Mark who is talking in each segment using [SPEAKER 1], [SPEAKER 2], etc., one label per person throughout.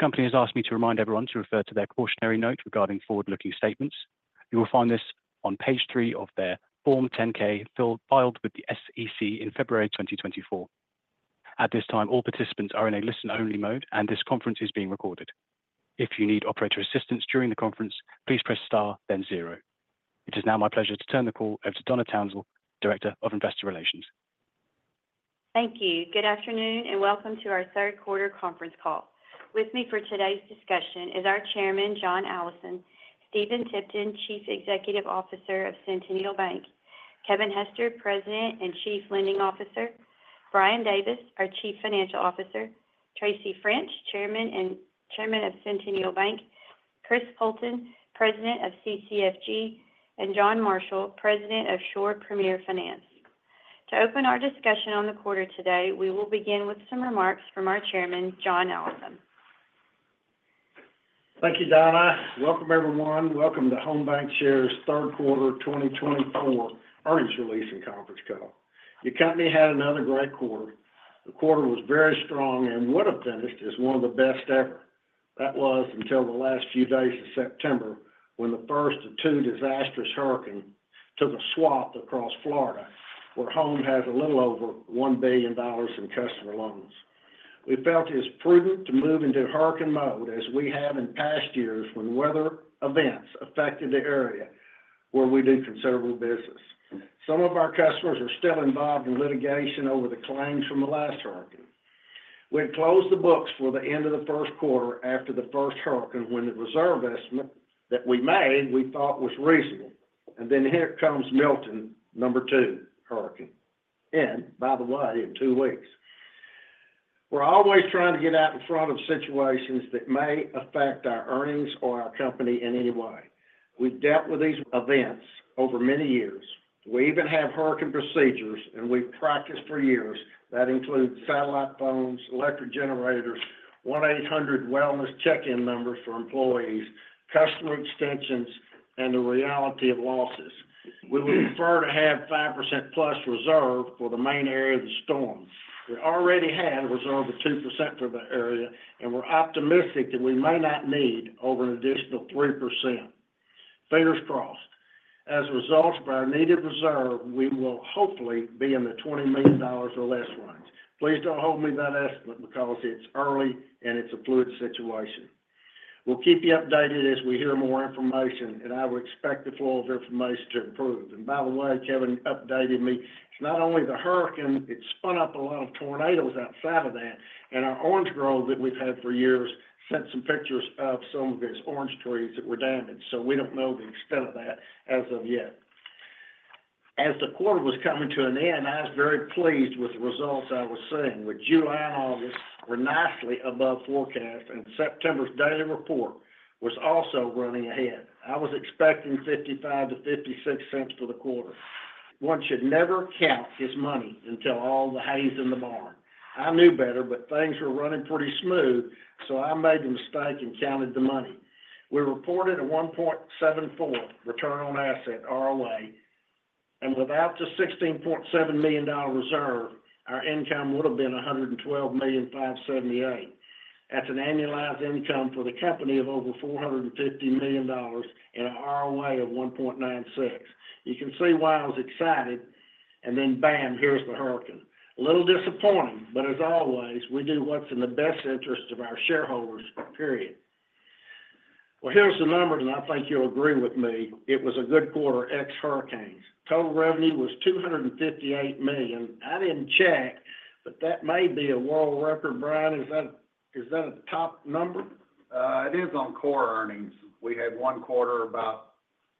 [SPEAKER 1] The company has asked me to remind everyone to refer to their cautionary note regarding forward-looking statements. You will find this on page three of their Form 10-K, filed with the SEC in February 2024. At this time, all participants are in a listen-only mode, and this conference is being recorded. If you need operator assistance during the conference, please press star, then zero. It is now my pleasure to turn the call over to Donna Townsell, Director of Investor Relations.
[SPEAKER 2] Thank you. Good afternoon, and welcome to our third quarter conference call. With me for today's discussion is our chairman, John Allison, Stephen Tipton, Chief Executive Officer of Centennial Bank, Kevin Hester, President and Chief Lending Officer, Brian Davis, our Chief Financial Officer, Tracy French, Chairman of Centennial Bank, Chris Poulton, President of CCFG, and John Marshall, President of Shore Premier Finance. To open our discussion on the quarter today, we will begin with some remarks from our chairman, John Allison.
[SPEAKER 3] Thank you, Donna. Welcome, everyone. Welcome to Home BancShares third quarter 2024 earnings release and conference call. The company had another great quarter. The quarter was very strong and would have finished as one of the best ever. That was until the last few days of September, when the first of two disastrous hurricanes took a swath across Florida, where Home has a little over $1 billion in customer loans. We felt it was prudent to move into hurricane mode, as we have in past years when weather events affected the area where we do considerable business. Some of our customers are still involved in litigation over the claims from the last hurricane. We had closed the books for the end of the first quarter after the first hurricane, when the reserve estimate that we made, we thought was reasonable. Then here comes Milton, number two hurricane, and by the way, in two weeks. We're always trying to get out in front of situations that may affect our earnings or our company in any way. We've dealt with these events over many years. We even have hurricane procedures, and we've practiced for years. That includes satellite phones, electric generators, 1-800 wellness check-in numbers for employees, customer extensions, and the reality of losses. We would prefer to have 5%+ reserve for the main area of the storm. We already had a reserve of 2% for the area, and we're optimistic that we may not need over an additional 3%. Fingers crossed. As a result of our needed reserve, we will hopefully be in the $20 million or less range. Please don't hold me to that estimate because it's early and it's a fluid situation. We'll keep you updated as we hear more information, and I would expect the flow of information to improve, and by the way, Kevin updated me, it's not only the hurricane, it spun up a lot of tornadoes outside of that, and our orange grove that we've had for years sent some pictures of some of his orange trees that were damaged, so we don't know the extent of that as of yet. As the quarter was coming to an end, I was very pleased with the results I was seeing, with July and August were nicely above forecast, and September's daily report was also running ahead. I was expecting $0.55-$0.56 for the quarter. One should never count his money until all the hay is in the barn. I knew better, but things were running pretty smooth, so I made the mistake and counted the money. We reported a 1.74 return on asset, ROA, and without the $16.7 million reserve, our income would have been $112.578 million. That's an annualized income for the company of over $450 million and an ROA of 1.96. You can see why I was excited, and then bam, here's the hurricane. A little disappointing, but as always, we do what's in the best interest of our shareholders, period. Here's the numbers, and I think you'll agree with me, it was a good quarter, ex hurricanes. Total revenue was $258 million. I didn't check, but that may be a world record. Brian, is that, is that a top number?
[SPEAKER 4] It is on core earnings. We had one quarter about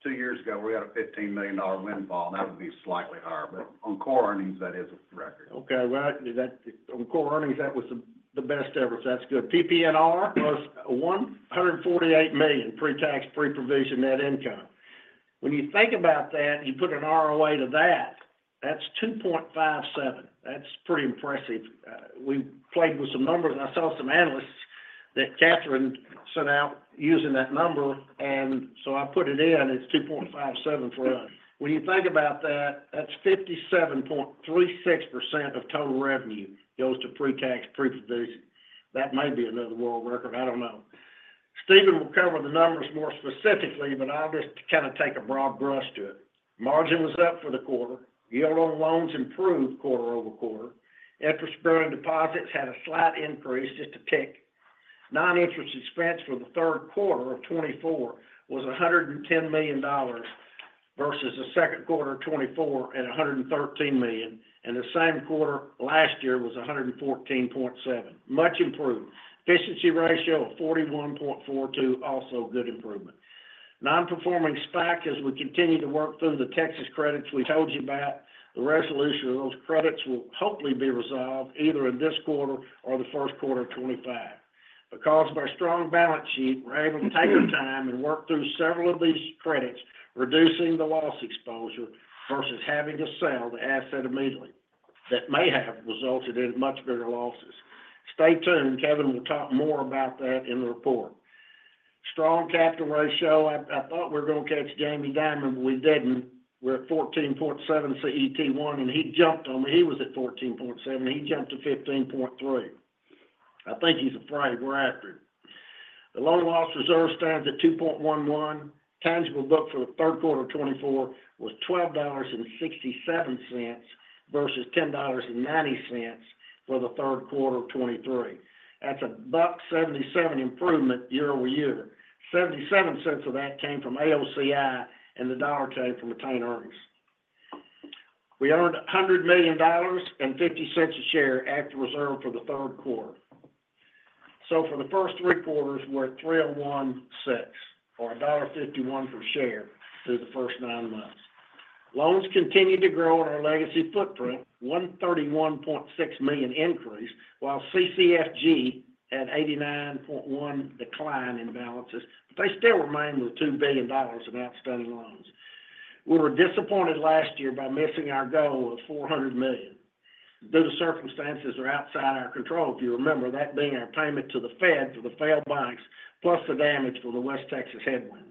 [SPEAKER 4] two years ago, where we had a $15 million windfall, and that would be slightly higher, but on core earnings, that is a record.
[SPEAKER 3] Okay, well, actually, on core earnings, that was the, the best ever, so that's good. PPNR was $148 million pre-tax, pre-provision net income. When you think about that, you put an ROA to that, that's 2.57%. That's pretty impressive. We played with some numbers, and I saw some analysts that Catherine sent out using that number, and so I put it in, it's 2.57% for us. When you think about that, that's 57.36% of total revenue goes to pre-tax, pre-provision. That may be another world record, I don't know. Stephen will cover the numbers more specifically, but I'll just kind of take a broad brush to it. Margin was up for the quarter. Yield on loans improved quarter-over-quarter. Interest-bearing deposits had a slight increase, just a tick. Non-interest expense for the third quarter of 2024 was $110 million versus the second quarter of 2024 at $113 million, and the same quarter last year was $114.7 million. Much improved. Efficiency ratio of 41.42%, also good improvement. Non-performing assets, as we continue to work through the Texas credits we told you about, the resolution of those credits will hopefully be resolved either in this quarter or the first quarter of 2025. Because of our strong balance sheet, we're able to take our time and work through several of these credits, reducing the loss exposure versus having to sell the asset immediately. That may have resulted in much greater losses. Stay tuned, Kevin will talk more about that in the report. Strong capital ratio. I thought we were going to catch Jamie Dimon, but we didn't. We're at 14.7% CET1, and he jumped on me. He was at 14.7%, and he jumped to 15.3%. I think he's afraid we're after him. The loan loss reserve stands at 2.11%. Tangible book for the third quarter of 2024 was $12.67, versus $10.90 for the third quarter of 2023. That's a $1.77 improvement year-over-year. $0.77 of that came from AOCI, and the $1 came from retained earnings. We earned $100 million and $0.50 a share after reserve for the third quarter. So for the first three quarters, we're at $301.6, or $1.51 per share through the first nine months. Loans continued to grow in our legacy footprint, $131.6 million increase, while CCFG had $89.1 million decline in balances, but they still remained with $2 billion of outstanding loans. We were disappointed last year by missing our goal of $400 million. Those circumstances are outside our control, if you remember that being our payment to the Fed for the failed banks, plus the damage for the West Texas headwinds.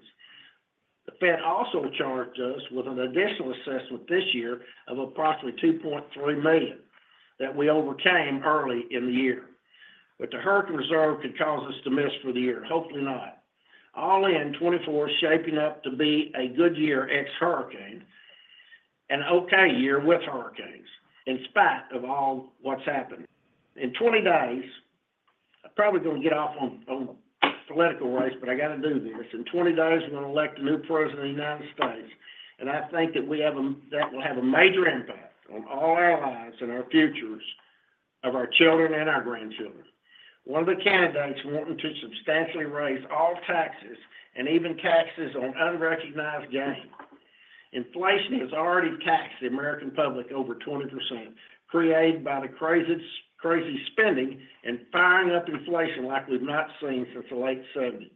[SPEAKER 3] The Fed also charged us with an additional assessment this year of approximately $2.3 million, that we overcame early in the year. But the hurricane reserve could cause us to miss for the year. Hopefully not. All in, 2024 is shaping up to be a good year ex-hurricane, an okay year with hurricanes, in spite of all what's happened. In 20 days, I'm probably going to get off on political race, but I got to do this. In 20 days, we're going to elect a new president of the United States, and I think that we have that will have a major impact on all our lives and our futures of our children and our grandchildren. One of the candidates wanting to substantially raise all taxes and even taxes on unrecognized gain. Inflation has already taxed the American public over 20%, created by the crazy, crazy spending and firing up inflation like we've not seen since the late 1970s.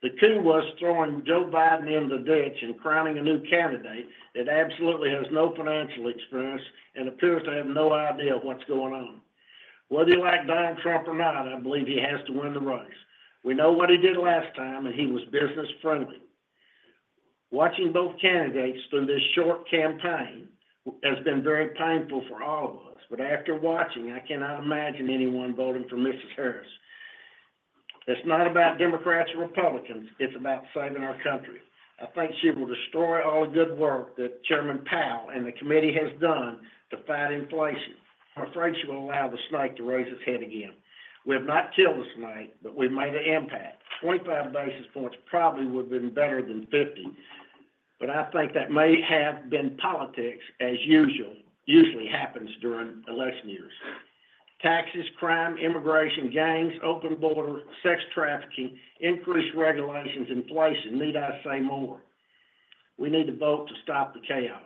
[SPEAKER 3] The coup was throwing Joe Biden in the ditch and crowning a new candidate that absolutely has no financial experience and appears to have no idea what's going on. Whether you like Donald Trump or not, I believe he has to win the race. We know what he did last time, and he was business-friendly. Watching both candidates through this short campaign has been very painful for all of us, but after watching, I cannot imagine anyone voting for Mrs. Harris. It's not about Democrats or Republicans, it's about saving our country. I think she will destroy all the good work that Chairman Powell and the committee has done to fight inflation. I'm afraid she will allow the snake to raise his head again. We have not killed the snake, but we've made an impact. 25 basis points probably would have been better than 50, but I think that may have been politics as usual, usually happens during election years. Taxes, crime, immigration, gangs, open border, sex trafficking, increased regulations, inflation, need I say more? We need to vote to stop the chaos.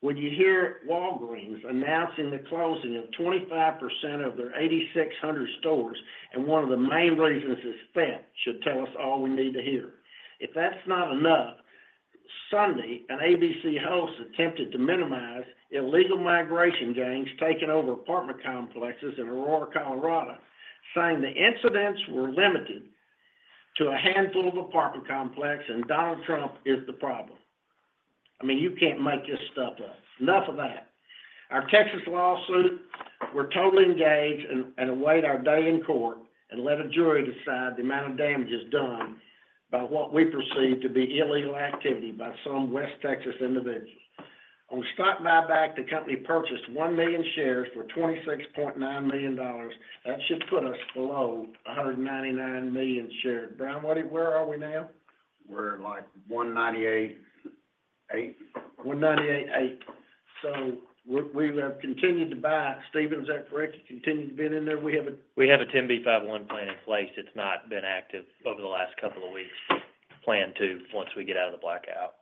[SPEAKER 3] When you hear Walgreens announcing the closing of 25% of their 8,600 stores, and one of the main reasons is theft, should tell us all we need to hear. If that's not enough, Sunday, an ABC host attempted to minimize illegal migration gangs taking over apartment complexes in Aurora, Colorado, saying the incidents were limited to a handful of apartment complex, and Donald Trump is the problem. I mean, you can't make this stuff up. Enough of that. Our Texas lawsuit, we're totally engaged and await our day in court and let a jury decide the amount of damages done by what we perceive to be illegal activity by some West Texas individuals. On stock buyback, the company purchased 1 million shares for $26.9 million. That should put us below 199 million shares. Brian, where are we now?
[SPEAKER 4] We're at, like, 198.8 million.
[SPEAKER 3] 198.8 million. So we have continued to buy. Stephen, is that correct? Continued to been in there. We have a-
[SPEAKER 5] We have a 10b5-1 plan in place. It's not been active over the last couple of weeks. Plan to, once we get out of the blackout.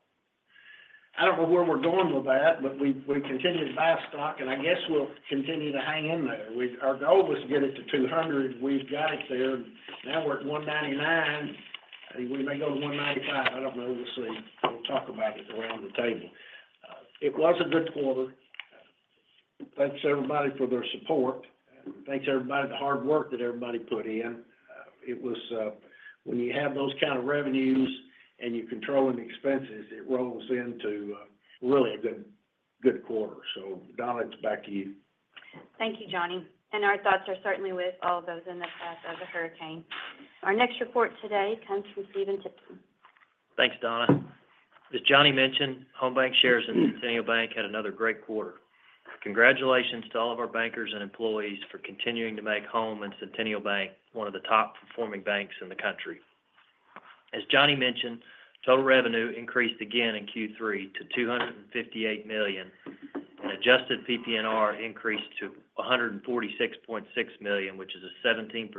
[SPEAKER 3] I don't know where we're going with that, but we continued to buy stock, and I guess we'll continue to hang in there. We. Our goal was to get it to 200 million. We've got it there. Now we're at 199 million. We may go to 195 million. I don't know. We'll see. We'll talk about it around the table. It was a good quarter. Thanks, everybody, for their support. Thanks, everybody, the hard work that everybody put in. It was. When you have those kind of revenues and you're controlling the expenses, it rolls into really a good, good quarter. So, Donna, it's back to you.
[SPEAKER 2] Thank you, Johnny, and our thoughts are certainly with all those in the path of the hurricane. Our next report today comes from Stephen Tipton.
[SPEAKER 5] Thanks, Donna. As Johnny mentioned, Home BancShares and Centennial Bank had another great quarter. Congratulations to all of our bankers and employees for continuing to make Home BancShares and Centennial Bank one of the top-performing banks in the country. As Johnny mentioned, total revenue increased again in Q3 to $258 million, and adjusted PPNR increased to $146.6 million, which is a 17%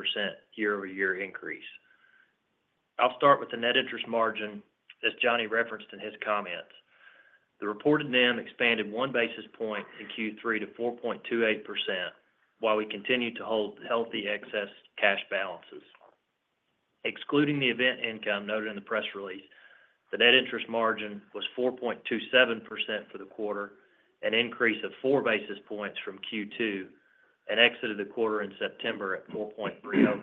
[SPEAKER 5] year-over-year increase. I'll start with the net interest margin, as Johnny referenced in his comments. The reported NIM expanded 1 basis point in Q3 to 4.28%, while we continued to hold healthy excess cash balances. Excluding the event income noted in the press release... The net interest margin was 4.27% for the quarter, an increase of 4 basis points from Q2, and exited the quarter in September at 4.30%.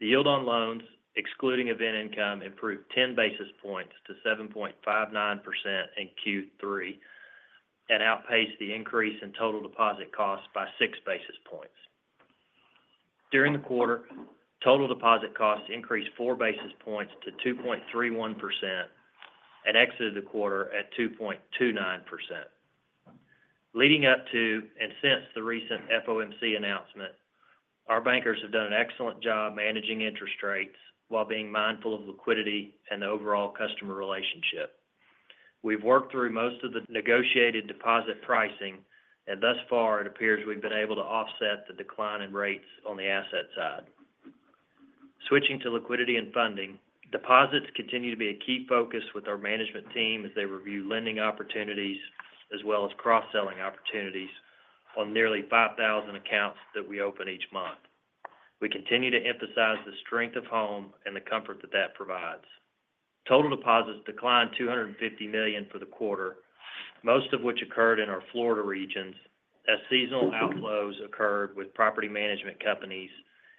[SPEAKER 5] The yield on loans, excluding event income, improved 10 basis points to 7.59% in Q3, and outpaced the increase in total deposit costs by 6 basis points. During the quarter, total deposit costs increased 4 basis points to 2.31% and exited the quarter at 2.29%. Leading up to and since the recent FOMC announcement, our bankers have done an excellent job managing interest rates while being mindful of liquidity and the overall customer relationship. We've worked through most of the negotiated deposit pricing, and thus far, it appears we've been able to offset the decline in rates on the asset side. Switching to liquidity and funding, deposits continue to be a key focus with our management team as they review lending opportunities, as well as cross-selling opportunities on nearly 5,000 accounts that we open each month. We continue to emphasize the strength of Home and the comfort that that provides. Total deposits declined $250 million for the quarter, most of which occurred in our Florida regions, as seasonal outflows occurred with property management companies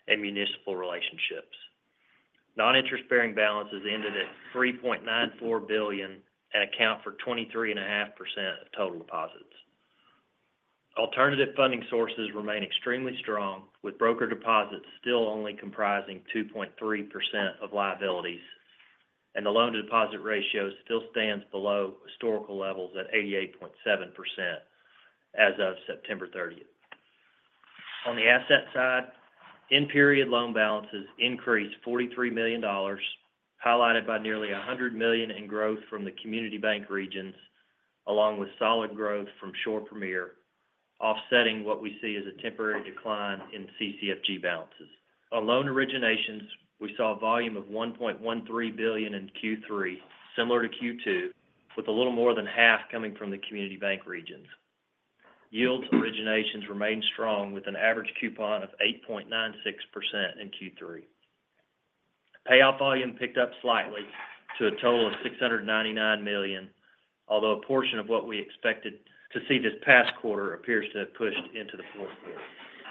[SPEAKER 5] and municipal relationships. Non-interest-bearing balances ended at $3.94 billion and account for 23.5% of total deposits. Alternative funding sources remain extremely strong, with broker deposits still only comprising 2.3% of liabilities, and the loan to deposit ratio still stands below historical levels at 88.7% as of September 30th. On the asset side, in-period loan balances increased $43 million, highlighted by nearly $100 million in growth from the community bank regions, along with solid growth from Shore Premier, offsetting what we see as a temporary decline in CCFG balances. On loan originations, we saw a volume of $1.13 billion in Q3, similar to Q2, with a little more than half coming from the community bank regions. Yields to originations remained strong, with an average coupon of 8.96% in Q3. Payoff volume picked up slightly to a total of $699 million, although a portion of what we expected to see this past quarter appears to have pushed into the fourth quarter.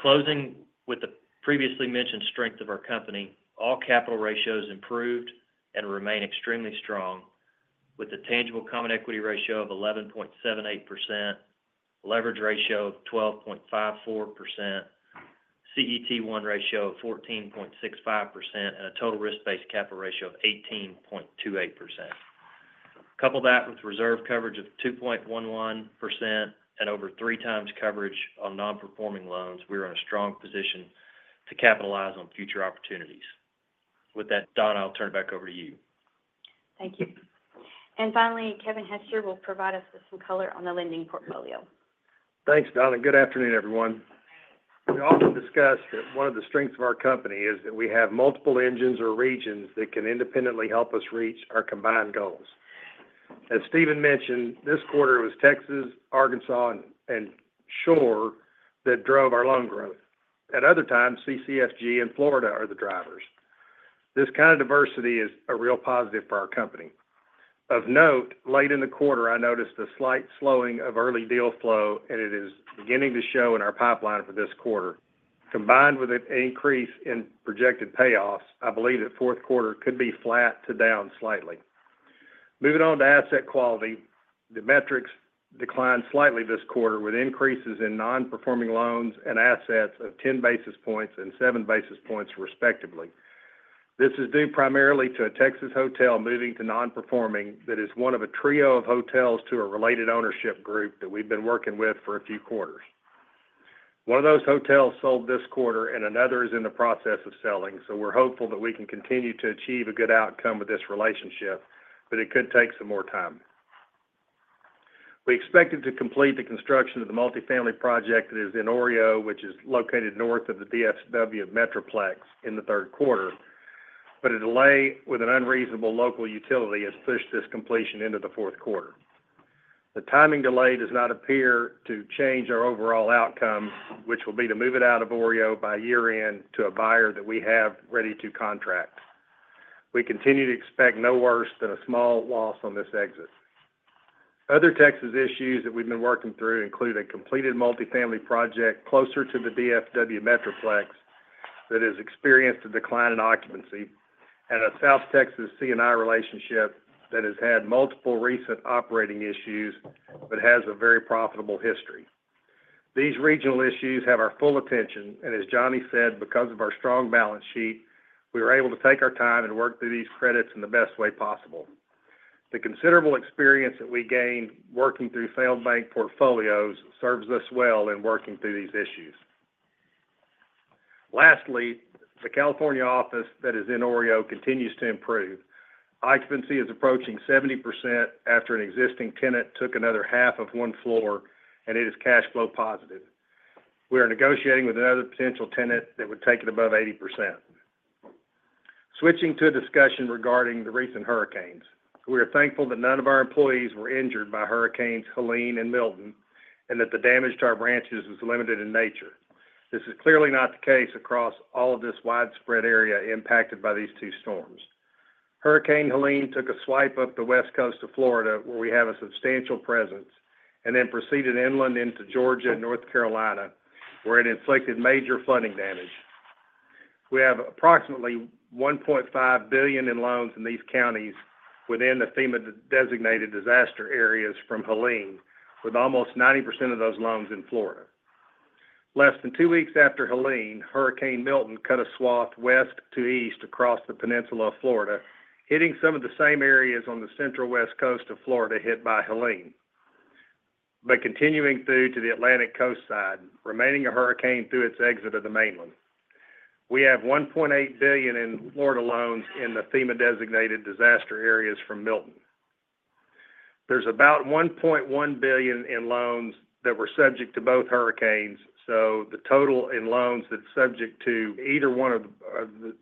[SPEAKER 5] Closing with the previously mentioned strength of our company, all capital ratios improved and remain extremely strong, with a tangible common equity ratio of 11.78%, leverage ratio of 12.54%, CET1 ratio of 14.65%, and a total risk-based capital ratio of 18.28%. Couple that with reserve coverage of 2.11% and over three times coverage on non-performing loans, we are in a strong position to capitalize on future opportunities. With that, Donna, I'll turn it back over to you.
[SPEAKER 2] Thank you. And finally, Kevin Hester will provide us with some color on the lending portfolio.
[SPEAKER 6] Thanks, Donna. Good afternoon, everyone. We often discuss that one of the strengths of our company is that we have multiple engines or regions that can independently help us reach our combined goals. As Stephen mentioned, this quarter was Texas, Arkansas, and Shore that drove our loan growth. At other times, CCFG and Florida are the drivers. This kind of diversity is a real positive for our company. Of note, late in the quarter, I noticed a slight slowing of early deal flow, and it is beginning to show in our pipeline for this quarter. Combined with an increase in projected payoffs, I believe that fourth quarter could be flat to down slightly. Moving on to asset quality, the metrics declined slightly this quarter, with increases in non-performing loans and assets of 10 basis points and 7 basis points, respectively. This is due primarily to a Texas hotel moving to non-performing that is one of a trio of hotels to a related ownership group that we've been working with for a few quarters. One of those hotels sold this quarter, and another is in the process of selling, so we're hopeful that we can continue to achieve a good outcome with this relationship, but it could take some more time. We expected to complete the construction of the multifamily project that is in OREO, which is located north of the DFW Metroplex, in the third quarter, but a delay with an unreasonable local utility has pushed this completion into the fourth quarter. The timing delay does not appear to change our overall outcome, which will be to move it out of OREO by year-end to a buyer that we have ready to contract. We continue to expect no worse than a small loss on this exit. Other Texas issues that we've been working through include a completed multifamily project closer to the DFW Metroplex that has experienced a decline in occupancy and a South Texas C&I relationship that has had multiple recent operating issues but has a very profitable history. These regional issues have our full attention, and as Johnny said, because of our strong balance sheet, we are able to take our time and work through these credits in the best way possible. The considerable experience that we gained working through failed bank portfolios serves us well in working through these issues. Lastly, the California office that is in OREO continues to improve. Occupancy is approaching 70% after an existing tenant took another half of one floor, and it is cash flow positive. We are negotiating with another potential tenant that would take it above 80%. Switching to a discussion regarding the recent hurricanes. We are thankful that none of our employees were injured by Hurricanes Helene and Milton, and that the damage to our branches was limited in nature. This is clearly not the case across all of this widespread area impacted by these two storms. Hurricane Helene took a swipe up the west coast of Florida, where we have a substantial presence, and then proceeded inland into Georgia and North Carolina, where it inflicted major flooding damage. We have approximately $1.5 billion in loans in these counties within the FEMA-designated disaster areas from Helene, with almost 90% of those loans in Florida. Less than two weeks after Helene, Hurricane Milton cut a swath west to east across the peninsula of Florida, hitting some of the same areas on the central west coast of Florida hit by Helene, but continuing through to the Atlantic Coast side, remaining a hurricane through its exit of the mainland. We have $1.8 billion in Florida loans in the FEMA-designated disaster areas from Milton. There's about $1.1 billion in loans that were subject to both hurricanes, so the total in loans that's subject to either one of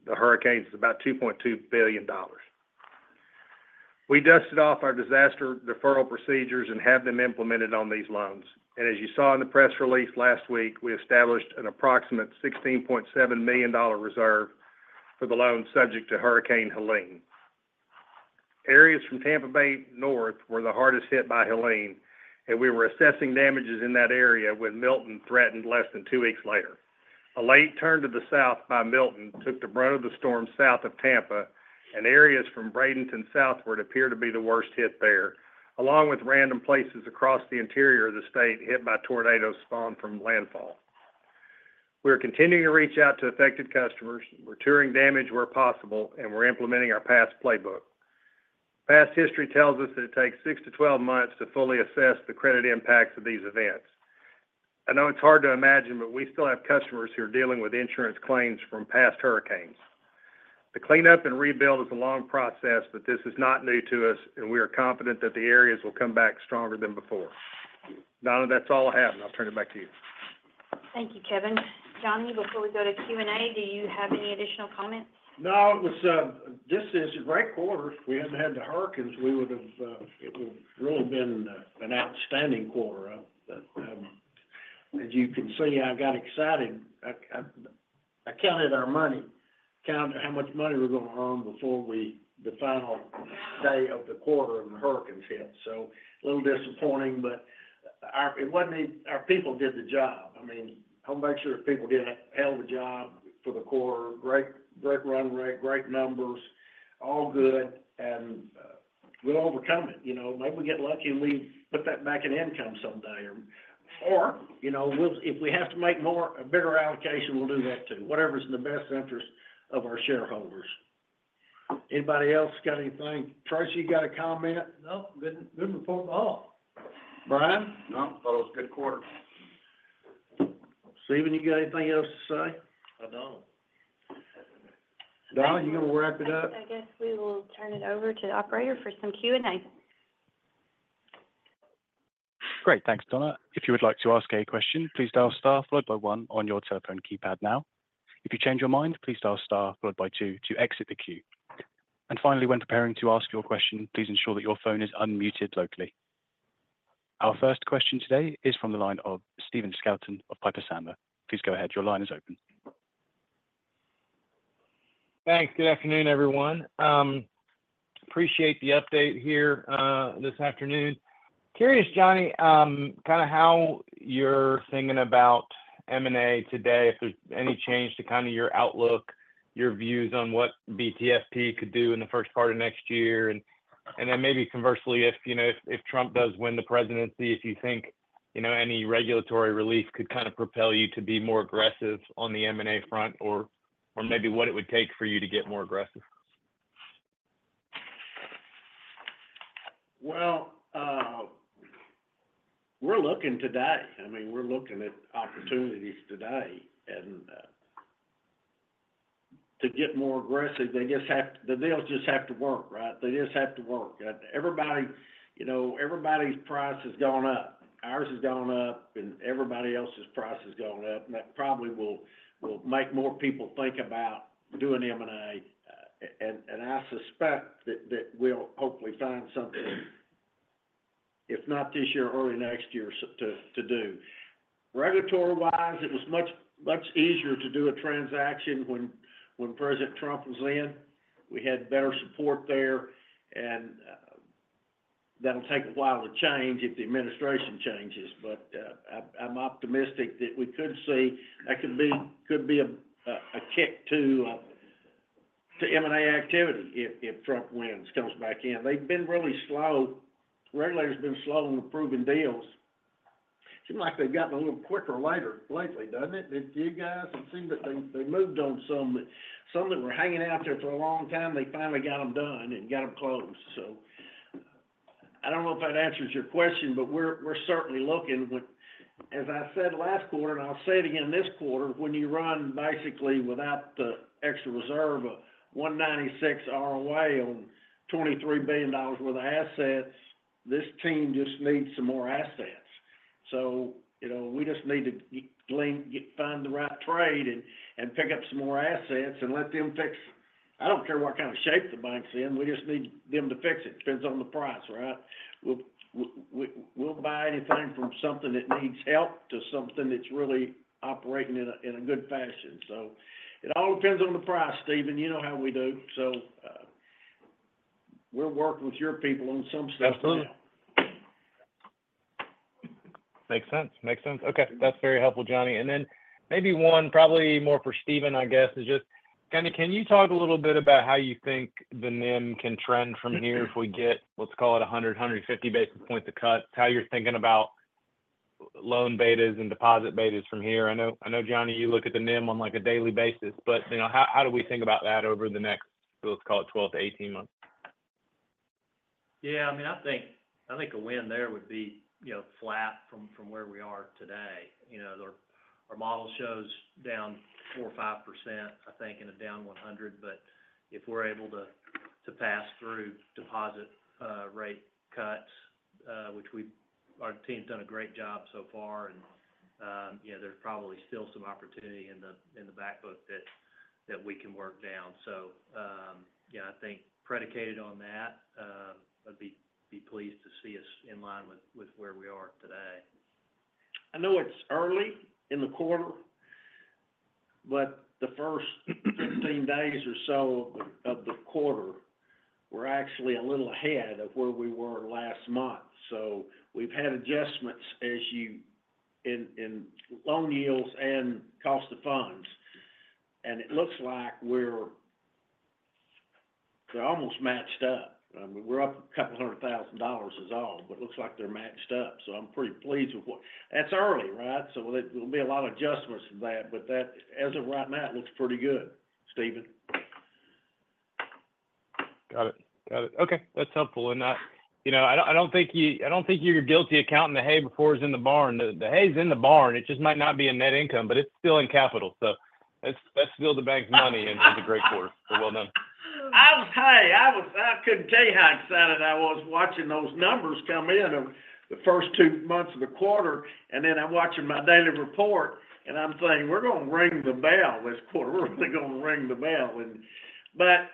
[SPEAKER 6] the hurricanes is about $2.2 billion. We dusted off our disaster deferral procedures and have them implemented on these loans, and as you saw in the press release last week, we established an approximate $16.7 million reserve for the loans subject to Hurricane Helene. Areas from Tampa Bay north were the hardest hit by Helene, and we were assessing damages in that area when Milton threatened less than two weeks later. A late turn to the south by Milton took the brunt of the storm south of Tampa, and areas from Bradenton southward appear to be the worst hit there, along with random places across the interior of the state hit by tornadoes spawned from landfall. We are continuing to reach out to affected customers. We're touring damage where possible, and we're implementing our past playbook. Past history tells us that it takes 6-12 months to fully assess the credit impacts of these events. I know it's hard to imagine, but we still have customers who are dealing with insurance claims from past hurricanes. The cleanup and rebuild is a long process, but this is not new to us, and we are confident that the areas will come back stronger than before. Donna, that's all I have, and I'll turn it back to you.
[SPEAKER 2] Thank you, Kevin. Johnny, before we go to Q&A, do you have any additional comments?
[SPEAKER 3] No, it was, this is a great quarter. If we hadn't had the hurricanes, we would've, it would really been, an outstanding quarter. But, as you can see, I got excited. I counted our money, counted how much money we were going to earn before the final day of the quarter, and the hurricanes hit. So a little disappointing, but it wasn't even. Our people did the job. I mean, Home BancShares people did a hell of a job for the quarter. Great, great run rate, great numbers, all good, and we'll overcome it. You know, maybe we get lucky, and we put that back in income someday, or, you know, if we have to make more, a bigger allocation, we'll do that, too. Whatever's in the best interest of our shareholders. Anybody else got anything? Tracy, you got a comment?
[SPEAKER 7] No. Good, good report all.
[SPEAKER 3] Brian?
[SPEAKER 4] No. Thought it was a good quarter.
[SPEAKER 3] Stephen, you got anything else to say?
[SPEAKER 5] I don't.
[SPEAKER 3] Donna, you want to wrap it up?
[SPEAKER 2] I guess we will turn it over to the operator for some Q&A.
[SPEAKER 1] Great. Thanks, Donna. If you would like to ask a question, please dial star followed by one on your telephone keypad now. If you change your mind, please dial star followed by two to exit the queue. And finally, when preparing to ask your question, please ensure that your phone is unmuted locally. Our first question today is from the line of Stephen Scouten of Piper Sandler. Please go ahead. Your line is open.
[SPEAKER 8] Thanks. Good afternoon, everyone. Appreciate the update here this afternoon. Curious, Johnny, kind of how you're thinking about M&A today, if there's any change to kind of your outlook, your views on what BTFP could do in the first part of next year, and then maybe conversely, if you know, if Trump does win the presidency, if you think you know, any regulatory relief could kind of propel you to be more aggressive on the M&A front or maybe what it would take for you to get more aggressive?
[SPEAKER 3] We're looking today. I mean, we're looking at opportunities today, and to get more aggressive, the deals just have to work, right? They just have to work. Everybody, you know, everybody's price has gone up. Ours has gone up, and everybody else's price has gone up, and that probably will make more people think about doing M&A. And I suspect that we'll hopefully find something, if not this year, early next year, so to do. Regulatory-wise, it was much easier to do a transaction when President Trump was in. We had better support there, and that'll take a while to change if the administration changes. But I'm optimistic that we could see that could be a kick to M&A activity if Trump wins, comes back in. They've been really slow. Regulators have been slow in approving deals. Seem like they've gotten a little quicker lately, doesn't it, you guys? It seemed that they moved on some that were hanging out there for a long time, they finally got them done and got them closed. So I don't know if that answers your question, but we're certainly looking. But as I said last quarter, and I'll say it again this quarter, when you run basically without the extra reserve of 1.96 ROA on $23 billion worth of assets, this team just needs some more assets. So, you know, we just need to find the right trade and pick up some more assets and let them fix it. I don't care what kind of shape the bank's in, we just need them to fix it. Depends on the price, right? We'll buy anything from something that needs help to something that's really operating in a good fashion. So it all depends on the price, Stephen. You know how we do, so we'll work with your people on some stuff.
[SPEAKER 8] Absolutely. Makes sense. Makes sense. Okay, that's very helpful, Johnny. And then maybe one probably more for Stephen, I guess, is just kind of can you talk a little bit about how you think the NIM can trend from here if we get, let's call it 100-150 basis points cut, how you're thinking about loan betas and deposit betas from here? I know, I know, Johnny, you look at the NIM on, like, a daily basis, but, you know, how do we think about that over the next, let's call it 12-18 months?
[SPEAKER 5] Yeah, I mean, I think a win there would be, you know, flat from where we are today. You know, our model shows down 4% or 5%, I think, in a down 100, but if we're able to pass through deposit rate cuts, which our team's done a great job so far, and you know, there's probably still some opportunity in the back book that we can work down. So, yeah, I think predicated on that, I'd be pleased to see us in line with where we are today.
[SPEAKER 3] I know it's early in the quarter, but the first 16 days or so of the quarter, we're actually a little ahead of where we were last month. So we've had adjustments as you in loan yields and cost of funds, and it looks like we're almost matched up. I mean, we're up $200,000 is all, but it looks like they're matched up, so I'm pretty pleased with what. It's early, right? So there'll be a lot of adjustments to that, but that, as of right now, it looks pretty good, Stephen.
[SPEAKER 8] Got it. Got it. Okay, that's helpful. And, you know, I don't think you're guilty of counting the hay before it's in the barn. The hay is in the barn. It just might not be in net income, but it's still in capital, so that's still the bank's money—and it's a great quarter. So well done.
[SPEAKER 3] I couldn't tell you how excited I was watching those numbers come in on the first two months of the quarter, and then I'm watching my daily report, and I'm saying: "We're gonna ring the bell this quarter. We're really gonna ring the bell." But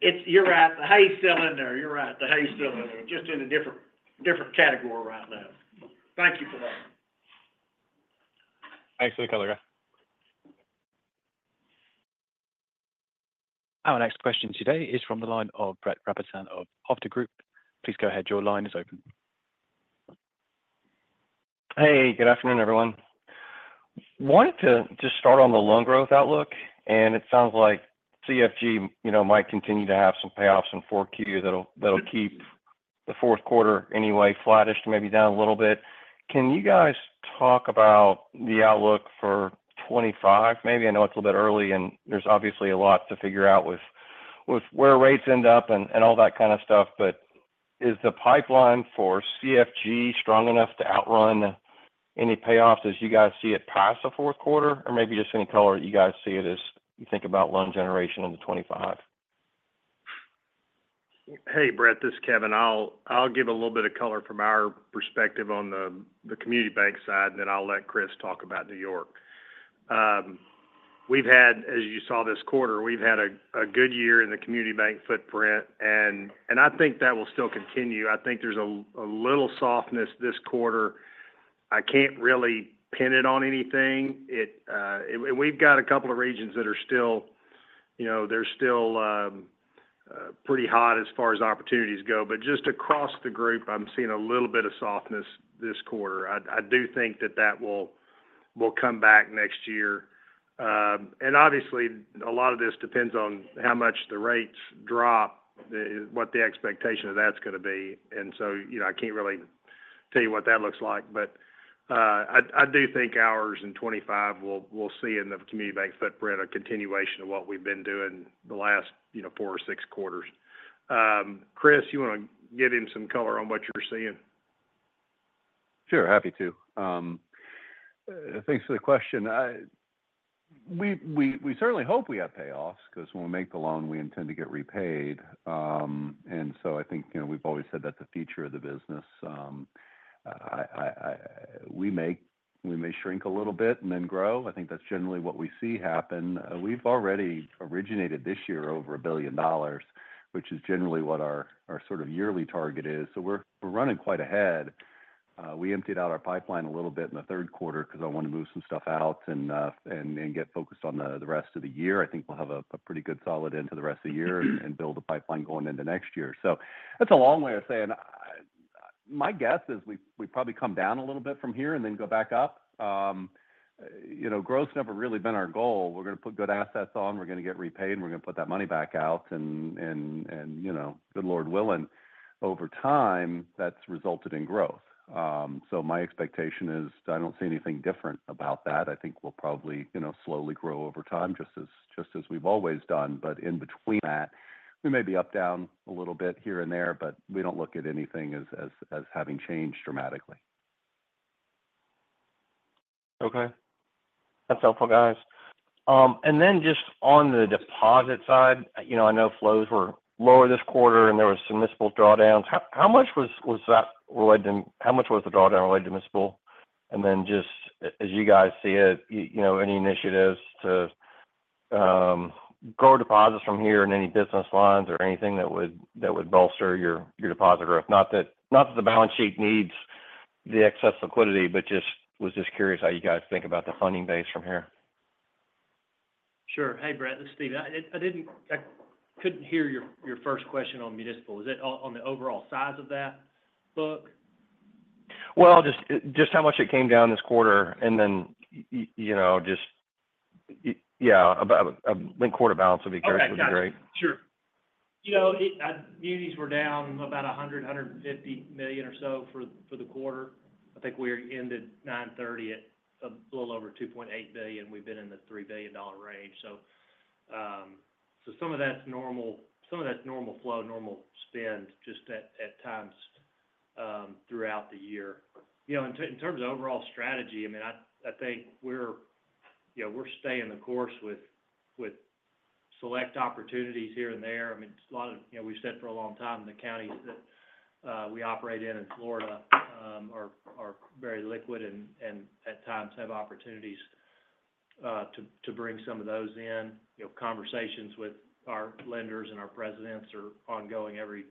[SPEAKER 3] it's-- you're right, the hay's still in there. You're right, the hay's still in there, just in a different category right now. Thank you for that.
[SPEAKER 8] Thanks for the color, guys.
[SPEAKER 1] Our next question today is from the line of Brett Rabatin of Hovde Group. Please go ahead. Your line is open.
[SPEAKER 9] Hey, good afternoon, everyone. Wanted to just start on the loan growth outlook, and it sounds like CFG, you know, might continue to have some payoffs in 4Q that'll keep the fourth quarter anyway, flattish, maybe down a little bit. Can you guys talk about the outlook for 2025? Maybe I know it's a little bit early, and there's obviously a lot to figure out with where rates end up and all that kind of stuff, but is the pipeline for CFG strong enough to outrun any payoffs as you guys see it past the fourth quarter? Or maybe just any color you guys see it as you think about loan generation into 2025.
[SPEAKER 6] Hey, Brett, this is Kevin. I'll give a little bit of color from our perspective on the community bank side, and then I'll let Chris talk about New York. We've had, as you saw this quarter, we've had a good year in the community bank footprint, and I think that will still continue. I think there's a little softness this quarter. I can't really pin it on anything. And we've got a couple of regions that are still, you know, they're still pretty hot as far as opportunities go. But just across the group, I'm seeing a little bit of softness this quarter. I do think that that will come back next year. And obviously, a lot of this depends on how much the rates drop, what the expectation of that's gonna be. And so, you know, I can't really tell you what that looks like, but I do think ours in 2025, we'll see in the community bank footprint, a continuation of what we've been doing the last, you know, four or six quarters. Chris, you wanna give him some color on what you're seeing?
[SPEAKER 10] Sure, happy to. Thanks for the question. We certainly hope we have payoffs 'cause when we make the loan, we intend to get repaid, and so I think, you know, we've always said that's the future of the business. We may shrink a little bit and then grow. I think that's generally what we see happen. We've already originated this year over $1 billion, which is generally what our sort of yearly target is. So we're running quite ahead. We emptied out our pipeline a little bit in the third quarter because I wanna move some stuff out and get focused on the rest of the year. I think we'll have a pretty good solid end to the rest of the year and build a pipeline going into next year, so that's a long way of saying, my guess is we probably come down a little bit from here and then go back up. You know, growth's never really been our goal. We're gonna put good assets on, we're gonna get repaid, and we're gonna put that money back out, and you know, good Lord willing, over time, that's resulted in growth, so my expectation is I don't see anything different about that. I think we'll probably, you know, slowly grow over time, just as we've always done, but in between that, we may be up, down a little bit here and there, but we don't look at anything as having changed dramatically.
[SPEAKER 9] Okay. That's helpful, guys. And then just on the deposit side, you know, I know flows were lower this quarter, and there was some mobile drawdowns. How much was the drawdown related to mobile? And then just as you guys see it, you know, any initiatives to grow deposits from here in any business lines or anything that would bolster your deposit growth? Not that the balance sheet needs the excess liquidity, but just curious how you guys think about the funding base from here.
[SPEAKER 5] Sure. Hey, Brett, this is Stephen. I couldn't hear your first question on municipal. Was it on the overall size of that book?
[SPEAKER 9] Just how much it came down this quarter, and then you know, just yeah, about last quarter balance would be great.
[SPEAKER 5] Okay. Got it. Sure. You know, it, Munis were down about $100-$150 million or so for the quarter. I think we ended 9/30 at a little over $2.8 billion. We've been in the $3 billion range. So some of that's normal flow, normal spend, just at times throughout the year. You know, in terms of overall strategy, I mean, I think we're, you know, we're staying the course with select opportunities here and there. I mean, a lot of, you know, we've said for a long time, the counties that we operate in, in Florida, are very liquid and at times have opportunities to bring some of those in. You know, conversations with our lenders and our presidents are ongoing every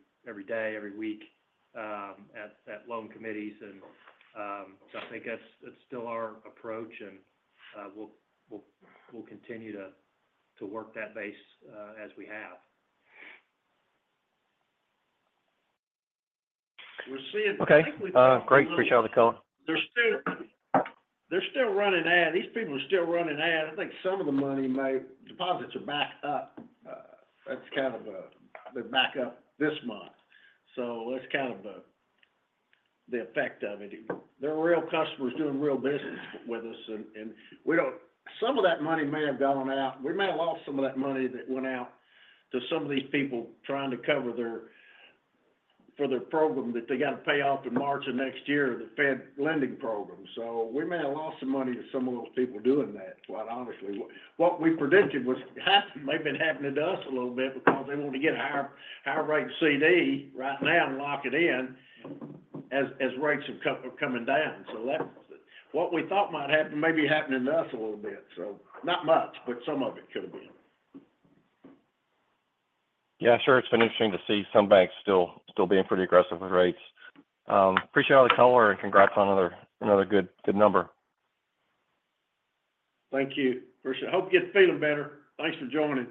[SPEAKER 5] day, every week, at loan committees. So I think that's still our approach, and we'll continue to work that base as we have. We're seeing-
[SPEAKER 9] Okay.
[SPEAKER 3] I think we-
[SPEAKER 9] Great. Appreciate the call.
[SPEAKER 3] They're still, they're still running ads. These people are still running ads. I think some of the money may... Deposits are back up. That's kind of the back up this month. So that's kind of the effect of it. They're real customers doing real business with us, and we don't. Some of that money may have gone out. We may have lost some of that money that went out to some of these people trying to cover their, for their program that they got to pay off in March of next year, the Fed lending program. So we may have lost some money to some of those people doing that, quite honestly. What we predicted was happening may have been happening to us a little bit because they want to get a higher rate CD right now and lock it in as rates are coming down. So that's what we thought might happen, may be happening to us a little bit. So not much, but some of it could have been.
[SPEAKER 9] Yeah, sure. It's been interesting to see some banks still being pretty aggressive with rates. Appreciate all the color, and congrats on another good number.
[SPEAKER 3] Thank you. I hope you get feeling better. Thanks for joining.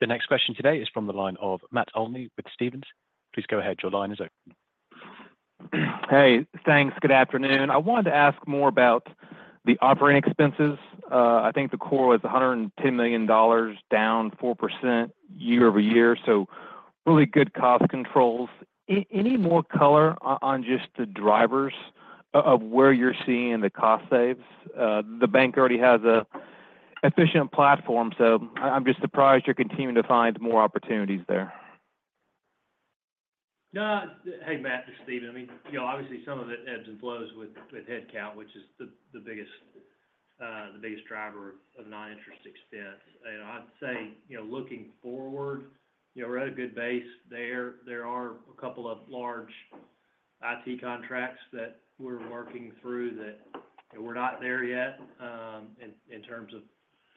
[SPEAKER 1] The next question today is from the line of Matt Olney with Stephens. Please go ahead. Your line is open.
[SPEAKER 11] Hey, thanks. Good afternoon. I wanted to ask more about the operating expenses. I think the core was $110 million, down 4% year-over-year, so really good cost controls. Any more color on just the drivers of where you're seeing the cost saves? The bank already has an efficient platform, so I'm just surprised you're continuing to find more opportunities there.
[SPEAKER 5] No, hey, Matt, this is Stephen. I mean, you know, obviously, some of it ebbs and flows with headcount, which is the biggest driver of non-interest expense. And I'd say, you know, looking forward, you know, we're at a good base there. There are a couple of large IT contracts that we're working through that we're not there yet, in terms of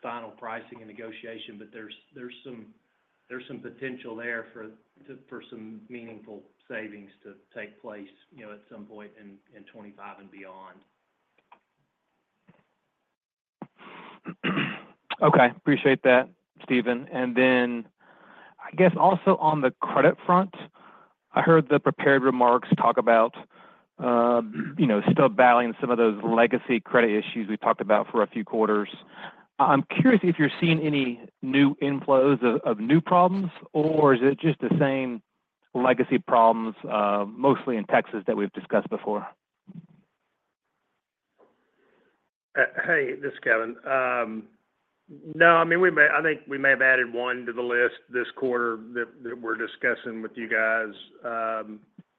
[SPEAKER 5] final pricing and negotiation, but there's some potential there for some meaningful savings to take place, you know, at some point in 2025 and beyond.
[SPEAKER 11] Okay. Appreciate that, Stephen. And then, I guess also on the credit front, I heard the prepared remarks talk about, you know, still battling some of those legacy credit issues we talked about for a few quarters. I'm curious if you're seeing any new inflows of new problems, or is it just the same legacy problems, mostly in Texas, that we've discussed before?
[SPEAKER 6] Hey, this is Kevin. No, I mean, we may – I think we may have added one to the list this quarter that we're discussing with you guys.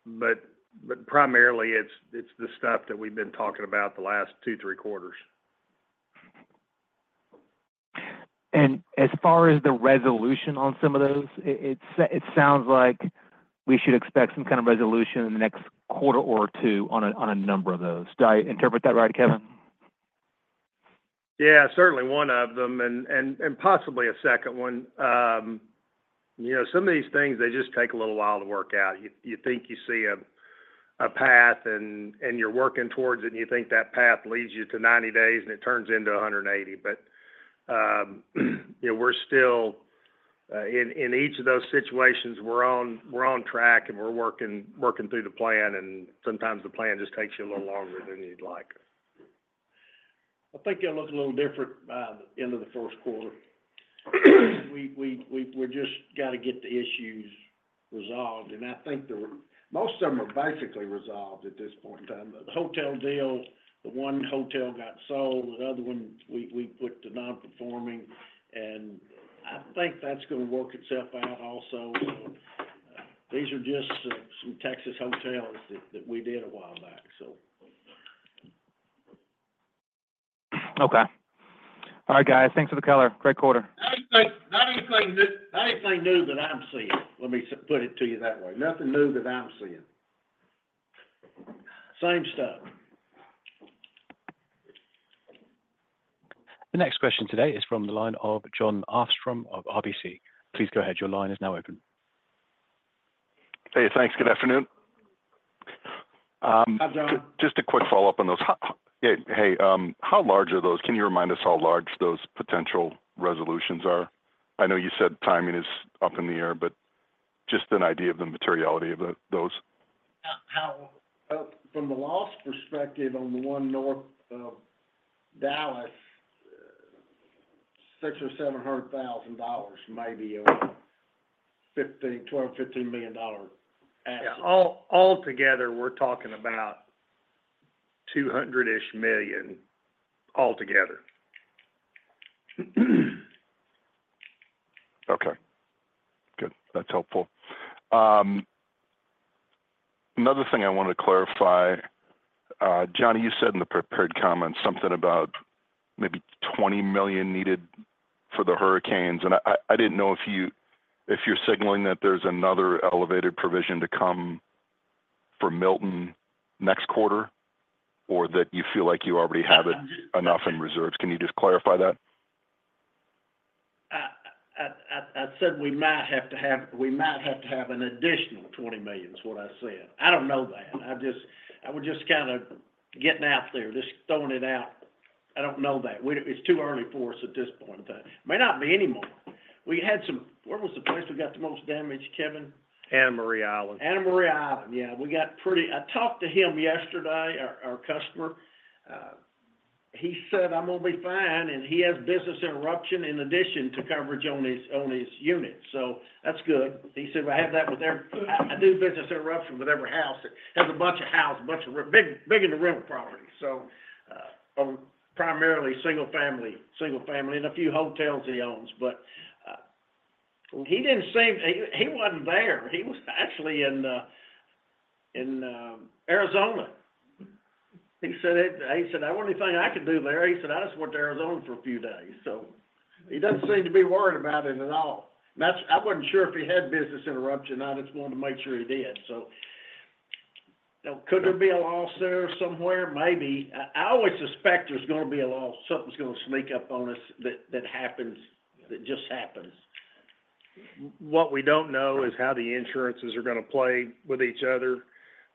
[SPEAKER 6] But primarily, it's the stuff that we've been talking about the last 2-3 quarters.
[SPEAKER 11] As far as the resolution on some of those, it sounds like we should expect some kind of resolution in the next quarter or two on a number of those. Do I interpret that right, Kevin?
[SPEAKER 6] Yeah, certainly one of them, and possibly a second one. You know, some of these things, they just take a little while to work out. You think you see a path, and you're working towards it, and you think that path leads you to 90 days, and it turns into 180. But, you know, we're still in each of those situations, we're on track, and we're working through the plan, and sometimes the plan just takes you a little longer than you'd like.
[SPEAKER 3] I think it'll look a little different by the end of the first quarter. We just got to get the issues resolved, and I think the most of them are basically resolved at this point in time. But the hotel deals, the one hotel got sold, the other one we put to non-performing, and I think that's gonna work itself out also. So these are just some Texas hotels that we did a while back, so.
[SPEAKER 11] Okay. All right, guys, thanks for the color. Great quarter.
[SPEAKER 3] Nothing, nothing, nothing new that I'm seeing. Let me put it to you that way. Nothing new that I'm seeing. Same stuff.
[SPEAKER 1] The next question today is from the line of Jon Arfstrom of RBC. Please go ahead. Your line is now open.
[SPEAKER 12] Hey, thanks. Good afternoon.
[SPEAKER 3] Hi, John.
[SPEAKER 12] Just a quick follow-up on those. Hey, how large are those? Can you remind us how large those potential resolutions are? I know you said timing is up in the air, but just an idea of the materiality of those.
[SPEAKER 3] How, from the loss perspective on the one north of Dallas, $600,000-$700,000, maybe a $12 million-$15 million dollar asset. Yeah, altogether, we're talking about $200-ish million altogether.
[SPEAKER 12] Okay. Good. That's helpful. Another thing I wanted to clarify, Johnny, you said in the prepared comments something about maybe $20 million needed for the hurricanes, and I didn't know if you're signaling that there's another elevated provision to come for Milton next quarter, or that you feel like you already have it enough in reserves. Can you just clarify that?
[SPEAKER 3] I said we might have to have an additional $20 million is what I said. I don't know that. I just... I was just kind of getting out there, just throwing it out. I don't know that. We don't. It's too early for us at this point. But may not be any more. We had some... Where was the place we got the most damage, Kevin?
[SPEAKER 6] Anna Maria Island.
[SPEAKER 3] Anna Maria Island. Yeah, we got pretty-- I talked to him yesterday, our customer. He said, "I'm gonna be fine," and he has business interruption in addition to coverage on his unit, so that's good. He said, "I have that with every... I do business interruption with every house." He has a bunch of houses, a bunch of re-- big into rental property, so primarily single family, and a few hotels he owns. But he didn't seem... He wasn't there. He was actually in Arizona. He said, "I wonder if there's anything I could do there." He said, "I just went to Arizona for a few days." So he doesn't seem to be worried about it at all. And that's-- I wasn't sure if he had business interruption. I just wanted to make sure he did. So, now, could there be a loss there somewhere? Maybe. I always suspect there's gonna be a loss, something's gonna sneak up on us that happens, that just happens.
[SPEAKER 6] What we don't know is how the insurances are gonna play with each other.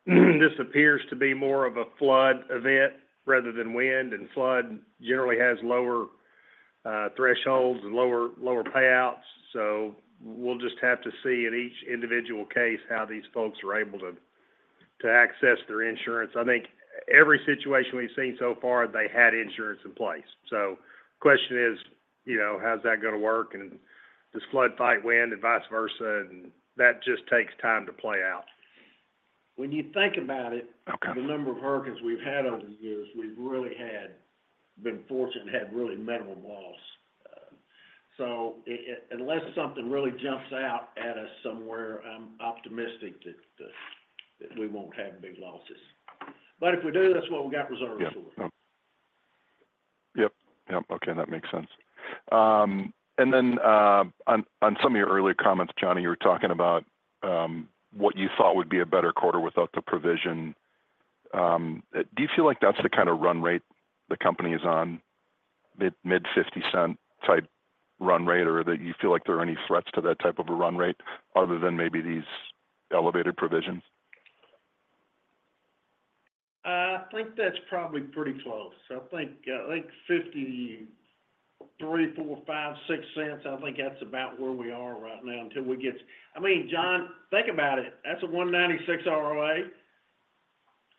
[SPEAKER 6] This appears to be more of a flood event rather than wind, and flood generally has lower thresholds and lower payouts. So we'll just have to see in each individual case how these folks are able to access their insurance. I think every situation we've seen so far, they had insurance in place. So question is, you know, how's that gonna work? And does flood fight wind and vice versa? And that just takes time to play out.
[SPEAKER 3] When you think about it-
[SPEAKER 12] Okay.
[SPEAKER 3] The number of hurricanes we've had over the years, we've really had, been fortunate to have really minimal loss. So unless something really jumps out at us somewhere, I'm optimistic that we won't have big losses. But if we do, that's what we got reserves for.
[SPEAKER 12] Yeah. Okay, that makes sense. And then, on some of your earlier comments, Johnny, you were talking about what you thought would be a better quarter without the provision. Do you feel like that's the kind of run rate the company is on, mid $0.50 type run rate, or that you feel like there are any threats to that type of a run rate other than maybe these elevated provisions?
[SPEAKER 3] I think that's probably pretty close. I think, I think $0.53-$0.56, I think that's about where we are right now until we get. I mean, John, think about it, that's a 1.96% ROA.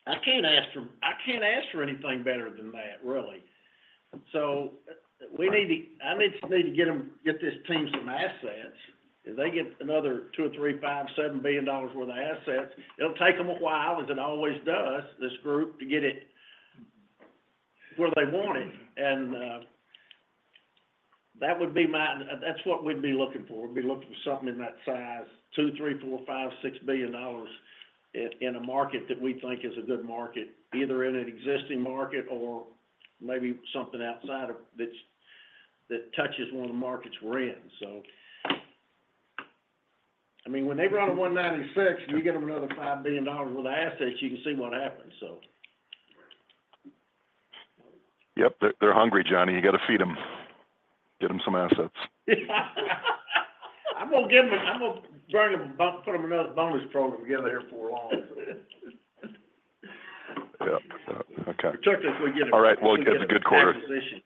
[SPEAKER 3] I can't ask for anything better than that, really. So we need to, I need to get them, get this team some assets. If they get another $2 billion-$3 billion or $5 billion-$7 billion worth of assets, it'll take them a while, as it always does, this group, to get it where they want it. And that would be my, that's what we'd be looking for. We'd be looking for something in that size, $2 billion-$6 billion in a market that we think is a good market, either in an existing market or maybe something outside of that's that touches one of the markets we're in. I mean, when they run a 1.96, you get them another $5 billion worth of assets, you can see what happens.
[SPEAKER 12] Yep. They're hungry, Johnny. You got to feed them. Get them some assets.
[SPEAKER 3] I'm gonna put together another bonus program for them here before long.
[SPEAKER 12] Yep. Yep. Okay.
[SPEAKER 3] Check this, we get
[SPEAKER 12] All right, well, you guys have a good quarter.
[SPEAKER 3] Acquisition.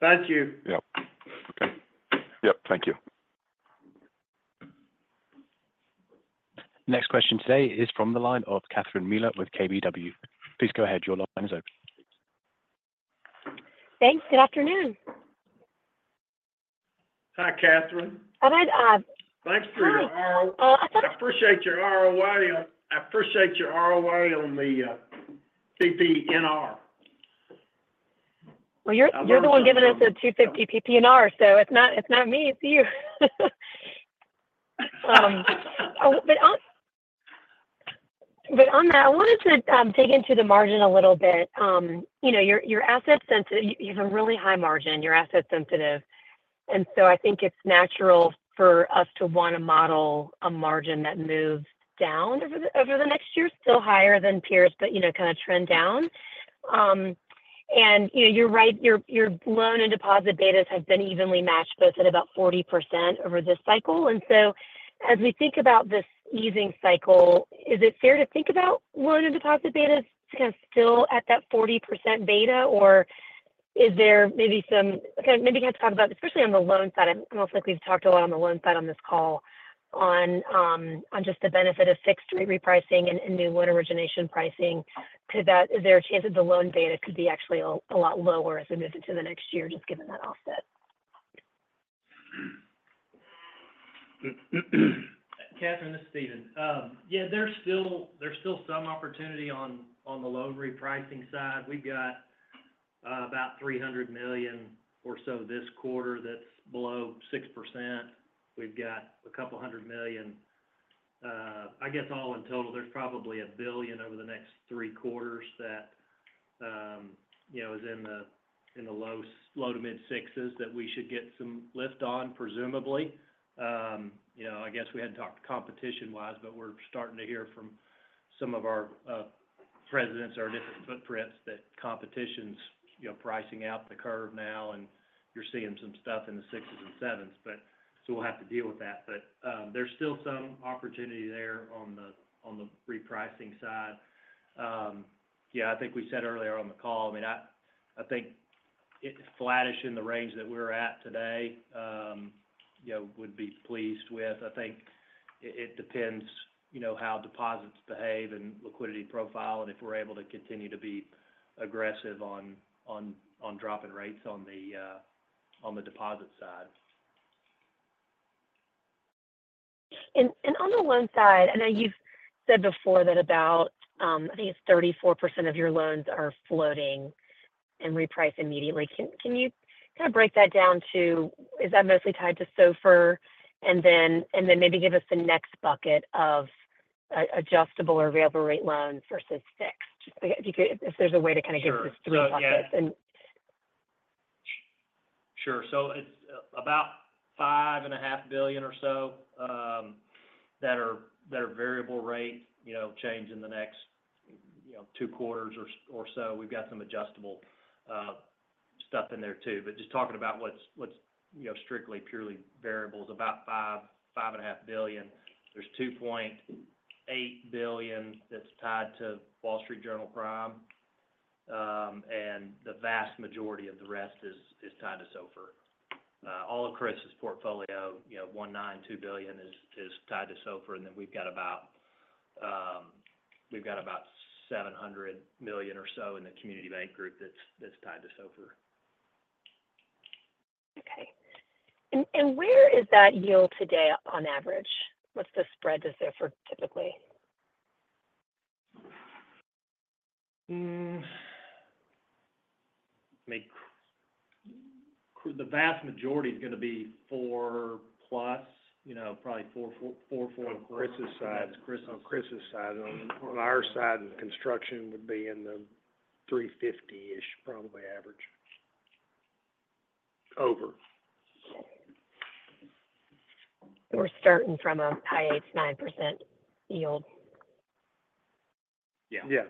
[SPEAKER 3] Thank you.
[SPEAKER 12] Yep. Okay. Yep, thank you.
[SPEAKER 1] Next question today is from the line of Catherine Mealor with KBW. Please go ahead. Your line is open.
[SPEAKER 13] Thanks. Good afternoon.
[SPEAKER 3] Hi, Catherine.
[SPEAKER 13] How about,
[SPEAKER 3] Thanks for your RO-
[SPEAKER 13] Hi. I thought-
[SPEAKER 3] I appreciate your ROA. I appreciate your ROA on the, PPNR.
[SPEAKER 13] You're the one giving us the 250 PPNR, so it's not me, it's you. But on that, I wanted to dig into the margin a little bit. You know, your asset sensitive - you have a really high margin, your asset sensitive, and so I think it's natural for us to wanna model a margin that moves down over the next year, still higher than peers, but you know, kinda trend down. You know, you're right, your loan and deposit betas have been evenly matched, both at about 40% over this cycle. And so as we think about this easing cycle, is it fair to think about loan and deposit betas kind of still at that 40% beta, or is there maybe some, okay, maybe you have to talk about, especially on the loan side, we've talked a lot on the loan side on this call, on, on just the benefit of fixed rate repricing and, and new loan origination pricing. Could that, is there a chance that the loan beta could be actually a lot lower as we move into the next year, just given that offset?
[SPEAKER 5] Catherine, this is Stephen. Yeah, there's still some opportunity on the loan repricing side. We've got about $300 million or so this quarter, that's below 6%. We've got a couple hundred million, I guess, all in total, there's probably $1 billion over the next three quarters that, you know, is in the low- to mid-6% that we should get some lift on, presumably. You know, I guess we hadn't talked competition-wise, but we're starting to hear from some of our presidents, our different footprints, that competition's, you know, pricing out the curve now, and you're seeing some stuff in the 6% and 7%, but so we'll have to deal with that. But, there's still some opportunity there on the repricing side. Yeah, I think we said earlier on the call. I mean, I think it's flattish in the range that we're at today, you know, would be pleased with. I think it depends, you know, how deposits behave and liquidity profile, and if we're able to continue to be aggressive on dropping rates on the deposit side.
[SPEAKER 13] And on the loan side, I know you've said before that about, I think it's 34% of your loans are floating and reprice immediately. Can you kinda break that down to, is that mostly tied to SOFR? And then maybe give us the next bucket of adjustable or variable rate loans versus fixed. Just if you could-- if there's a way to kinda give us three buckets-
[SPEAKER 5] Sure.
[SPEAKER 13] And-
[SPEAKER 5] Sure. So it's about $5.5 billion or so that are variable rate, you know, change in the next, you know, two quarters or so. We've got some adjustable stuff in there, too. But just talking about what's you know, strictly, purely variables, about $5.5 billion. There's $2.8 billion that's tied to Wall Street Journal Prime, and the vast majority of the rest is tied to SOFR. All of Chris's portfolio, you know, $192 million is tied to SOFR, and then we've got about $700 million or so in the community bank group that's tied to SOFR.
[SPEAKER 13] Okay. And where is that yield today on average? What's the spread to SOFR, typically?
[SPEAKER 5] I mean, the vast majority is gonna be 4+, you know, probably 4 on Chris's side.
[SPEAKER 3] On Chris's side. On our side, the construction would be in the 3.50-ish, probably average over.
[SPEAKER 13] We're starting from a high 8%-9% yield.
[SPEAKER 5] Yeah.
[SPEAKER 3] Yeah.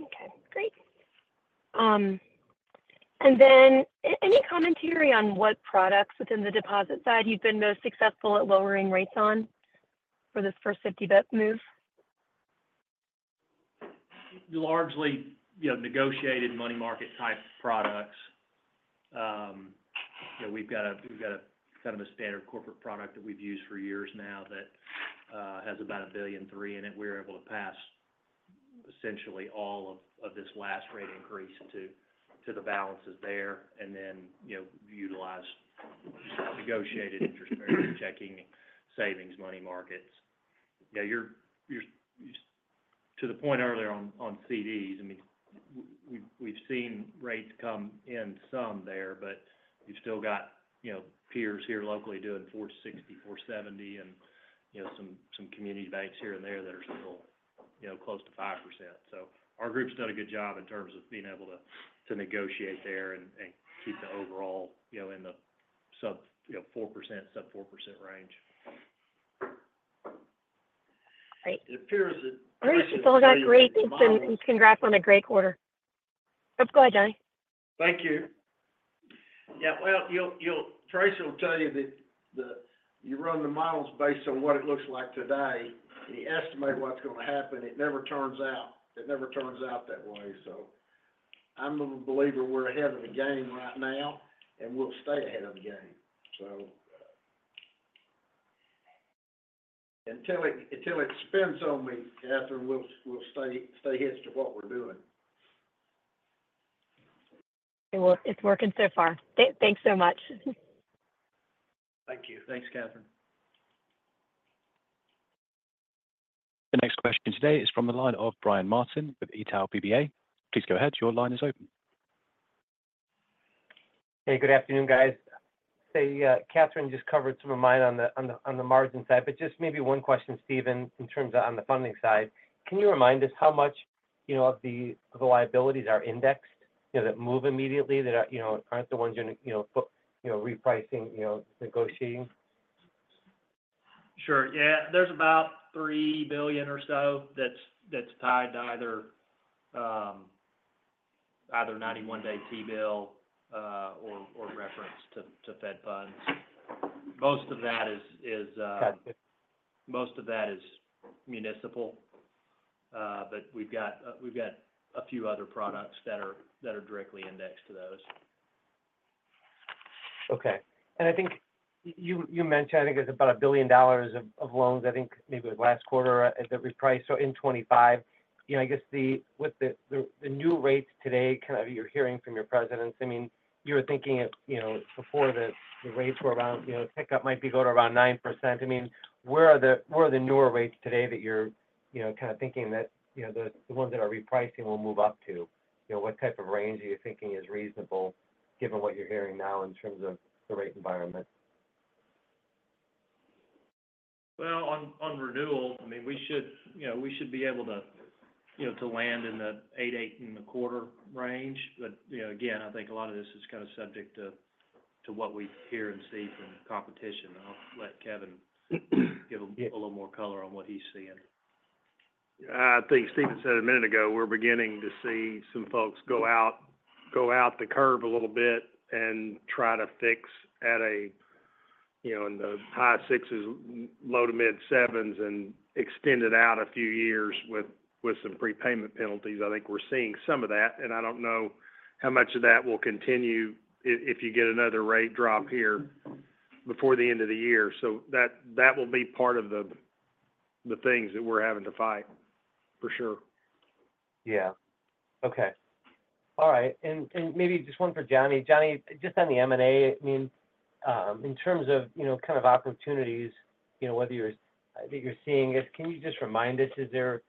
[SPEAKER 13] Okay, great, and then any commentary on what products within the deposit side you've been most successful at lowering rates on for this first 50 basis points move?
[SPEAKER 5] Largely, you know, negotiated money market type products. You know, we've got a kind of a standard corporate product that we've used for years now that has about $1.3 billion in it. We're able to pass essentially all of this last rate increase to the balances there, and then, you know, utilize negotiated interest rates, checking, savings, money markets. Yeah, you're to the point earlier on CDs. I mean, we've seen rates come in some there, but you've still got, you know, peers here locally doing 4.60%, 4.70%, and, you know, some community banks here and there that are still, you know, close to 5%. So our group's done a good job in terms of being able to negotiate there and keep the overall, you know, in the sub, you know, 4%, sub-4% range.
[SPEAKER 13] Great.
[SPEAKER 3] It appears that-
[SPEAKER 13] Great. Well, that's great, and congrats on a great quarter. Oh, go ahead, Johnny.
[SPEAKER 3] Thank you. Yeah, well, Tracy will tell you that you run the models based on what it looks like today, and you estimate what's gonna happen, it never turns out, it never turns out that way. So I'm a believer we're ahead of the game right now, and we'll stay ahead of the game. So, until it spins on me, Catherine, we'll stay hitched to what we're doing.
[SPEAKER 13] It's working so far. Thanks so much.
[SPEAKER 3] Thank you.
[SPEAKER 5] Thanks, Catherine.
[SPEAKER 1] The next question today is from the line of Brian Martin with Itaú BBA. Please go ahead, your line is open.
[SPEAKER 14] Hey, good afternoon, guys. Say, Catherine just covered some of mine on the margin side, but just maybe one question, Stephen, in terms of on the funding side. Can you remind us how much, you know, of the liabilities are indexed, you know, that move immediately, that are, you know, aren't the ones you're gonna, you know, repricing, you know, negotiating?
[SPEAKER 5] Sure. Yeah, there's about $3 billion or so that's tied to either 91-day T-bill or reference to Fed Funds. Most of that is,
[SPEAKER 14] Got it.
[SPEAKER 5] Most of that is municipal, but we've got a few other products that are directly indexed to those.
[SPEAKER 14] Okay. And I think you mentioned, I think it's about $1 billion of loans, I think maybe last quarter at the reprice, so in 2025. You know, I guess with the new rates today, kind of you're hearing from your presidents, I mean, you were thinking it, you know, before the rates were around, you know, pickup might go to around 9%. I mean, where are the newer rates today that you're, you know, kind of thinking that, you know, the ones that are repricing will move up to? You know, what type of range are you thinking is reasonable, given what you're hearing now in terms of the rate environment?
[SPEAKER 5] On renewal, I mean, we should, you know, be able to, you know, to land in the 8-8.25% range. But, you know, again, I think a lot of this is kind of subject to what we hear and see from the competition. I'll let Kevin give a little more color on what he's seeing.
[SPEAKER 6] I think Stephen said a minute ago, we're beginning to see some folks go out the curve a little bit and try to fix at a, you know, in the high 6s, low to mid 7s, and extend it out a few years with some prepayment penalties. I think we're seeing some of that, and I don't know how much of that will continue if you get another rate drop here before the end of the year. So that will be part of the things that we're having to fight, for sure.
[SPEAKER 14] Yeah. Okay. All right. And maybe just one for Johnny. Johnny, just on the M&A, I mean, in terms of, you know, kind of opportunities, you know, whether you're seeing it, can you just remind us, is there,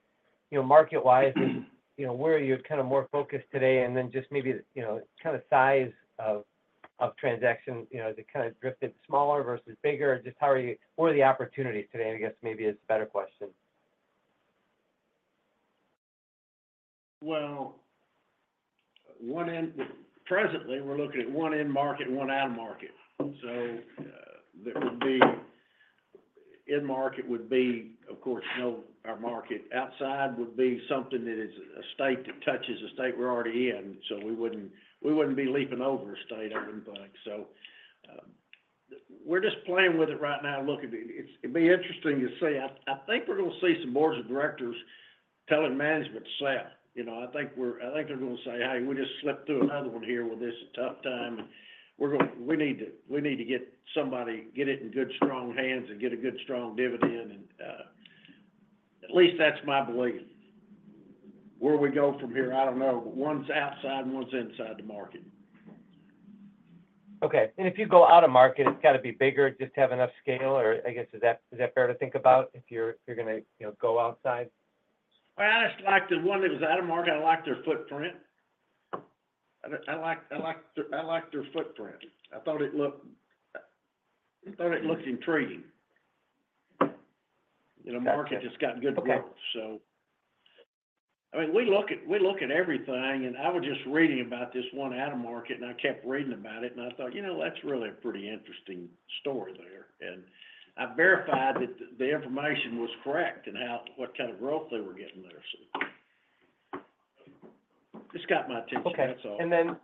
[SPEAKER 14] you know, market-wise, you know, where are you kind of more focused today? And then just maybe, you know, kind of size of transactions, you know, has it kind of drifted smaller versus bigger? Just how are you? What are the opportunities today, I guess maybe is a better question.
[SPEAKER 3] Presently, we're looking at one in-market and one out-of-market. So, there would be. In-market would be, of course, our market. Outside would be something that is a state that touches a state we're already in, so we wouldn't be leaping over a state, I wouldn't think. So, we're just playing with it right now, looking. It'll be interesting to see. I think we're gonna see some boards of directors telling management to sell. You know, I think they're gonna say, "Hey, we just slipped through another one here with this tough time, and we need to get somebody, get it in good, strong hands and get a good, strong dividend." And, at least that's my belief. Where we go from here, I don't know, but one's outside and one's inside the market.
[SPEAKER 14] Okay. And if you go out of market, it's got to be bigger, just have enough scale, or I guess, is that fair to think about if you're gonna, you know, go outside?
[SPEAKER 3] I just liked the one that was out of market. I liked their footprint. I thought it looked intriguing. You know-
[SPEAKER 14] Gotcha.
[SPEAKER 3] Market just got good growth.
[SPEAKER 14] Okay.
[SPEAKER 3] I mean, we look at everything, and I was just reading about this one out of market, and I kept reading about it, and I thought, "You know, that's really a pretty interesting story there." I verified that the information was correct and how, what kind of growth they were getting there. Just got my attention, that's all.
[SPEAKER 14] Okay. And then,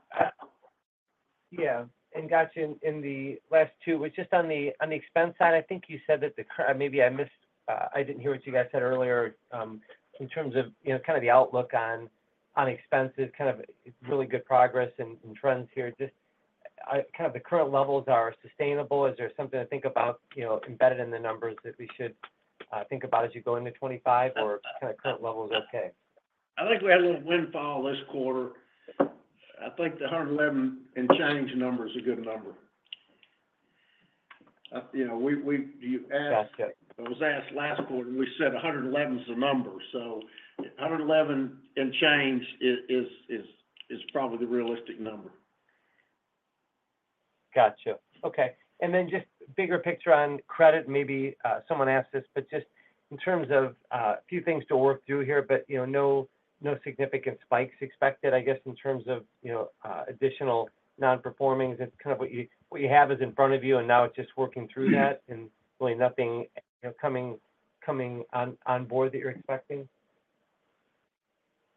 [SPEAKER 14] yeah, and got you in the last two, which just on the expense side, I think you said that the current, maybe I missed, I didn't hear what you guys said earlier, in terms of, you know, kind of the outlook on expenses, kind of really good progress and trends here. Just, kind of the current levels are sustainable. Is there something to think about, you know, embedded in the numbers that we should think about as you go into 2025, or kind of current level is okay?
[SPEAKER 3] I think we had a little windfall this quarter. I think the 111 and change number is a good number. You know, we you asked-
[SPEAKER 14] Gotcha.
[SPEAKER 3] I was asked last quarter, and we said 111 is the number, so 111 and change is probably the realistic number.
[SPEAKER 14] Gotcha. Okay. And then just bigger picture on credit, maybe, someone asked this, but just in terms of a few things to work through here, but, you know, no, no significant spikes expected, I guess, in terms of, you know, additional non-performings. It's kind of what you have is in front of you, and now it's just working through that and really nothing, you know, coming on board that you're expecting?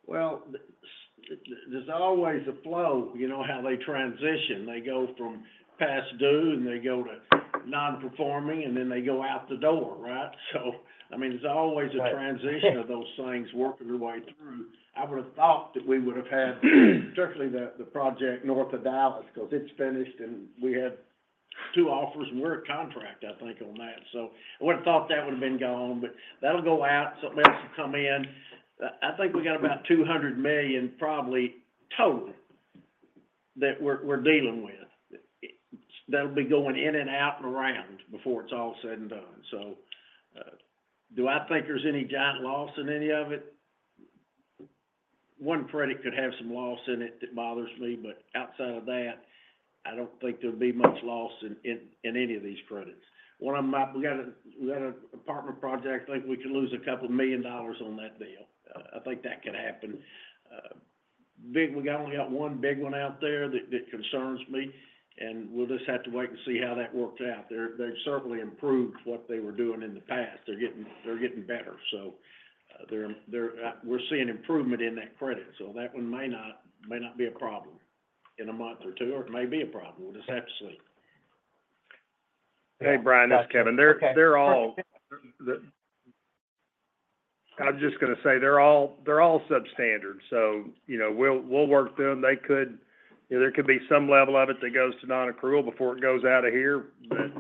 [SPEAKER 3] There's always a flow, you know, how they transition. They go from past due, and they go to non-performing, and then they go out the door, right? So, I mean, there's always-
[SPEAKER 14] Right.
[SPEAKER 3] A transition of those things working their way through. I would have thought that we would have had, certainly the, the project north of Dallas, 'cause it's finished, and we had two offers, and we're a contract, I think, on that. So I would have thought that would have been gone, but that'll go out, something else will come in. I think we got about $200 million, probably, total, that we're dealing with. That'll be going in and out and around before it's all said and done. So, do I think there's any giant loss in any of it? One credit could have some loss in it that bothers me, but outside of that, I don't think there'll be much loss in any of these credits. One of them, we got an apartment project I think we could lose $2 million on that deal. I think that could happen. We only got one big one out there that concerns me, and we'll just have to wait and see how that works out. They've certainly improved what they were doing in the past. They're getting better, so we're seeing improvement in that credit, so that one may not be a problem in 1-2 months, or it may be a problem. We'll just have to see.
[SPEAKER 6] Hey, Brian, it's Kevin.
[SPEAKER 14] Okay.
[SPEAKER 6] I was just gonna say, they're all substandard, so, you know, we'll work them. They could, you know, there could be some level of it that goes to non-accrual before it goes out of here. But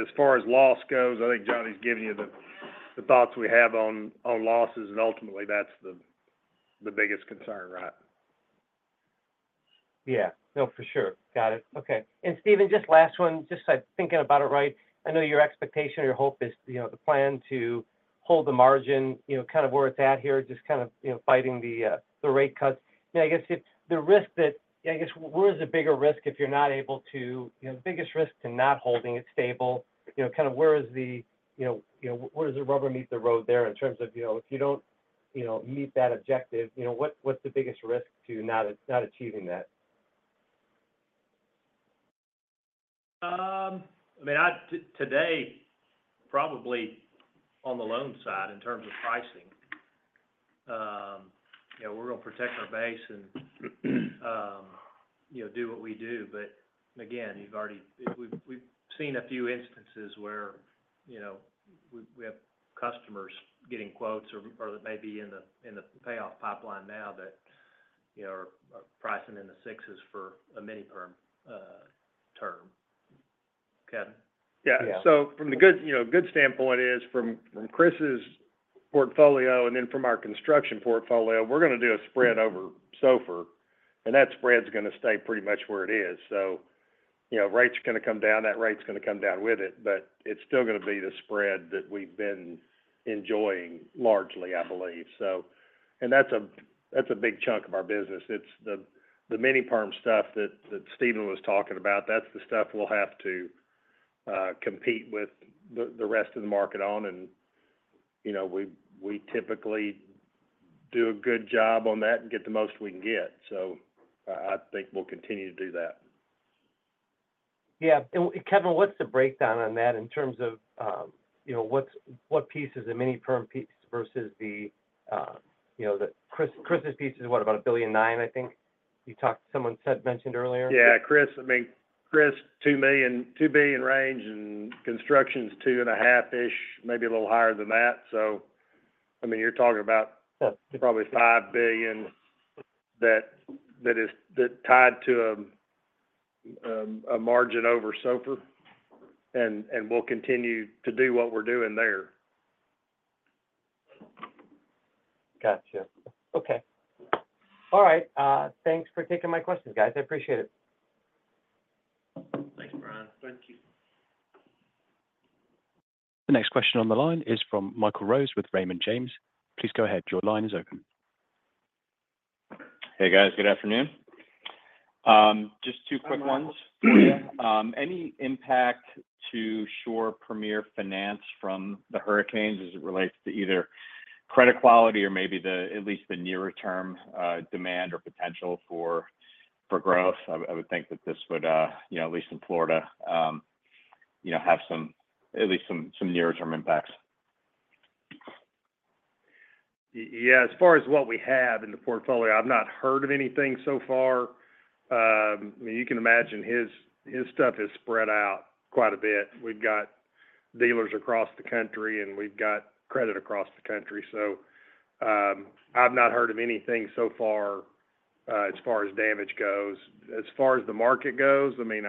[SPEAKER 6] as far as loss goes, I think Johnny's giving you the thoughts we have on losses, and ultimately, that's the biggest concern, right?
[SPEAKER 14] Yeah. No, for sure. Got it. Okay. And Stephen, just last one, just I'm thinking about it right. I know your expectation or your hope is, you know, the plan to hold the margin, you know, kind of where it's at here, just kind of, you know, fighting the, the rate cuts. You know, I guess if the risk that, I guess what is the bigger risk if you're not able to, you know, the biggest risk to not holding it stable? Kind of where is the, you know, where does the rubber meet the road there in terms of if you don't meet that objective, what's the biggest risk to not, not achieving that?
[SPEAKER 5] I mean, today, probably on the loan side in terms of pricing, you know, we're gonna protect our base and, you know, do what we do. But again, we've seen a few instances where, you know, we have customers getting quotes or that may be in the payoff pipeline now that are pricing in the 6s for a mini-perm term. Kevin?
[SPEAKER 6] Yeah. So from the good, you know, good standpoint is from Chris' portfolio and then from our construction portfolio, we're gonna do a spread over SOFR, and that spread's gonna stay pretty much where it is. So, you know, rates are gonna come down, that rate's gonna come down with it, but it's still gonna be the spread that we've been enjoying largely, I believe. So that's a big chunk of our business. It's the mini-perm stuff that Stephen was talking about, that's the stuff we'll have to compete with the rest of the market on, and, you know, we typically do a good job on that and get the most we can get. So I think we'll continue to do that.
[SPEAKER 14] Yeah. And, Kevin, what's the breakdown on that in terms of, you know, what piece is the mini-perm piece versus the, you know, the Chris' piece is, what, about $1.9 billion, I think? Someone had mentioned earlier.
[SPEAKER 6] Yeah, Chris, I mean, $2 billion range, and construction's $2.5-ish billion, maybe a little higher than that. So, I mean, you're talking about-
[SPEAKER 14] Yeah
[SPEAKER 6] Probably $5 billion that is, that's tied to a margin over SOFR, and we'll continue to do what we're doing there.
[SPEAKER 14] Gotcha. Okay. All right, thanks for taking my questions, guys. I appreciate it.
[SPEAKER 6] Thanks, Brian.
[SPEAKER 5] Thank you.
[SPEAKER 1] The next question on the line is from Michael Rose with Raymond James. Please go ahead. Your line is open.
[SPEAKER 15] Hey, guys. Good afternoon. Just two quick ones. Any impact to Shore Premier Finance from the hurricanes as it relates to either credit quality or maybe the, at least the nearer term, demand or potential for growth? I would think that this would, you know, at least in Florida, you know, have some, at least some near-term impacts.
[SPEAKER 6] Yeah, as far as what we have in the portfolio, I've not heard of anything so far. You can imagine his stuff is spread out quite a bit. We've got dealers across the country, and we've got credit across the country, so I've not heard of anything so far as far as damage goes. As far as the market goes, I mean,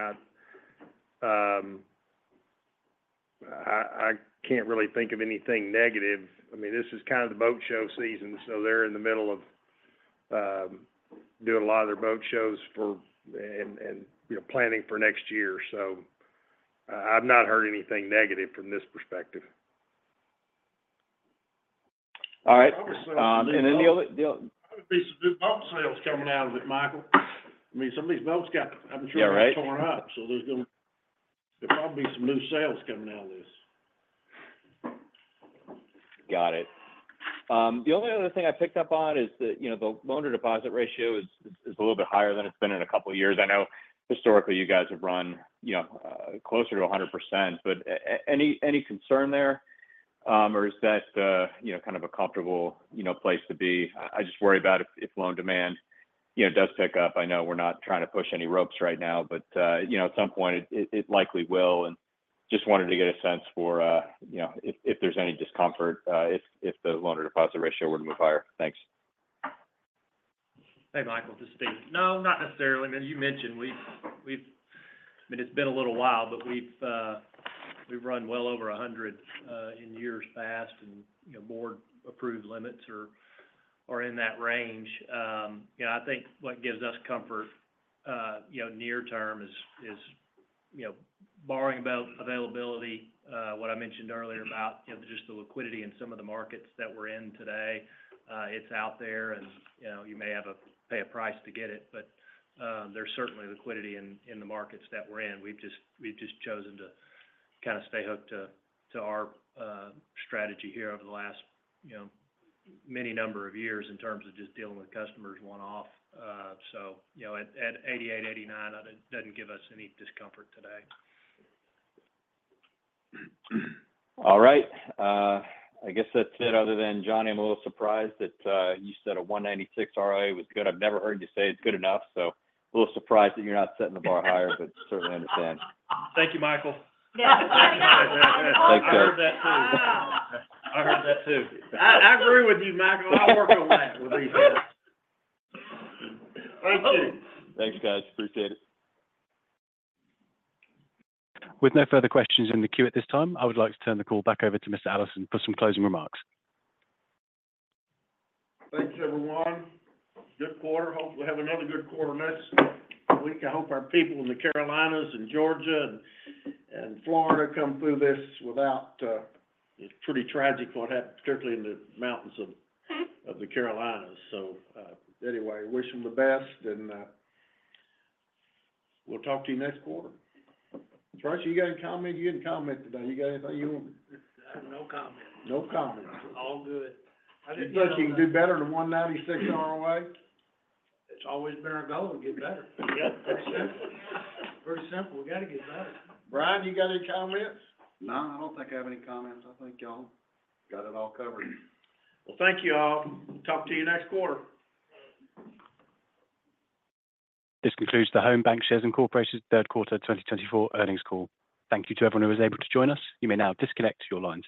[SPEAKER 6] I can't really think of anything negative. I mean, this is kind of the boat show season, so they're in the middle of doing a lot of their boat shows, and you know, planning for next year. So I've not heard anything negative from this perspective.
[SPEAKER 15] All right, and any other, the other-
[SPEAKER 5] There'll be some good boat sales coming out of it, Michael. I mean, some of these boats got torn up, so there'll probably be some new sales coming out of this.
[SPEAKER 15] Got it. The only other thing I picked up on is that, you know, the loan-to-deposit ratio is a little bit higher than it's been in a couple of years. I know historically, you guys have run, you know, closer to 100%, but any concern there, or is that, you know, kind of a comfortable, you know, place to be? I just worry about if loan demand, you know, does pick up. I know we're not trying to push any loans right now, but, you know, at some point it likely will, and just wanted to get a sense for, you know, if there's any discomfort, if the loan-to-deposit ratio were to move higher. Thanks.
[SPEAKER 5] Hey, Michael, this is Stephen. No, not necessarily. I mean, you mentioned we've. I mean, it's been a little while, but we've run well over 100 in years past, and, you know, board-approved limits are in that range. You know, I think what gives us comfort near term is borrowing availability, what I mentioned earlier about, you know, just the liquidity in some of the markets that we're in today. It's out there and, you know, you may have to pay a price to get it, but, there's certainly liquidity in the markets that we're in. We've just chosen to kind of stay hooked to our strategy here over the last, you know, many number of years in terms of just dealing with customers one-off. You know, at 88%-89%, that doesn't give us any discomfort today.
[SPEAKER 15] All right. I guess that's it other than, Johnny, I'm a little surprised that you said a 1.96 ROA was good. I've never heard you say it's good enough, so a little surprised that you're not setting the bar higher, but certainly understand.
[SPEAKER 5] Thank you, Michael.
[SPEAKER 3] Yeah.
[SPEAKER 15] Thanks, sir.
[SPEAKER 5] I heard that, too. I heard that, too.
[SPEAKER 3] I agree with you, Michael. I'll work on that with you.
[SPEAKER 4] Thank you.
[SPEAKER 15] Thanks, guys. Appreciate it.
[SPEAKER 1] With no further questions in the queue at this time, I would like to turn the call back over to Mr. Allison for some closing remarks.
[SPEAKER 3] Thanks, everyone. Good quarter. Hope we have another good quarter next week. I hope our people in the Carolinas, and Georgia, and Florida come through this without, it's pretty tragic what happened, particularly in the mountains of the Carolinas. So, anyway, wish them the best, and we'll talk to you next quarter. Tracy, you got any comment? You didn't comment today. You got anything you want-
[SPEAKER 7] I have no comment.
[SPEAKER 3] No comment.
[SPEAKER 7] All good.
[SPEAKER 3] You think you can do better than 1.96 ROA?
[SPEAKER 7] It's always been our goal to get better. Very simple. We got to get better.
[SPEAKER 3] Brian, you got any comments?
[SPEAKER 4] No, I don't think I have any comments. I think y'all got it all covered.
[SPEAKER 3] Thank you, all. Talk to you next quarter.
[SPEAKER 1] This concludes the Home BancShares Inc. Third Quarter 2024 Earnings Call. Thank you to everyone who was able to join us. You may now disconnect your lines.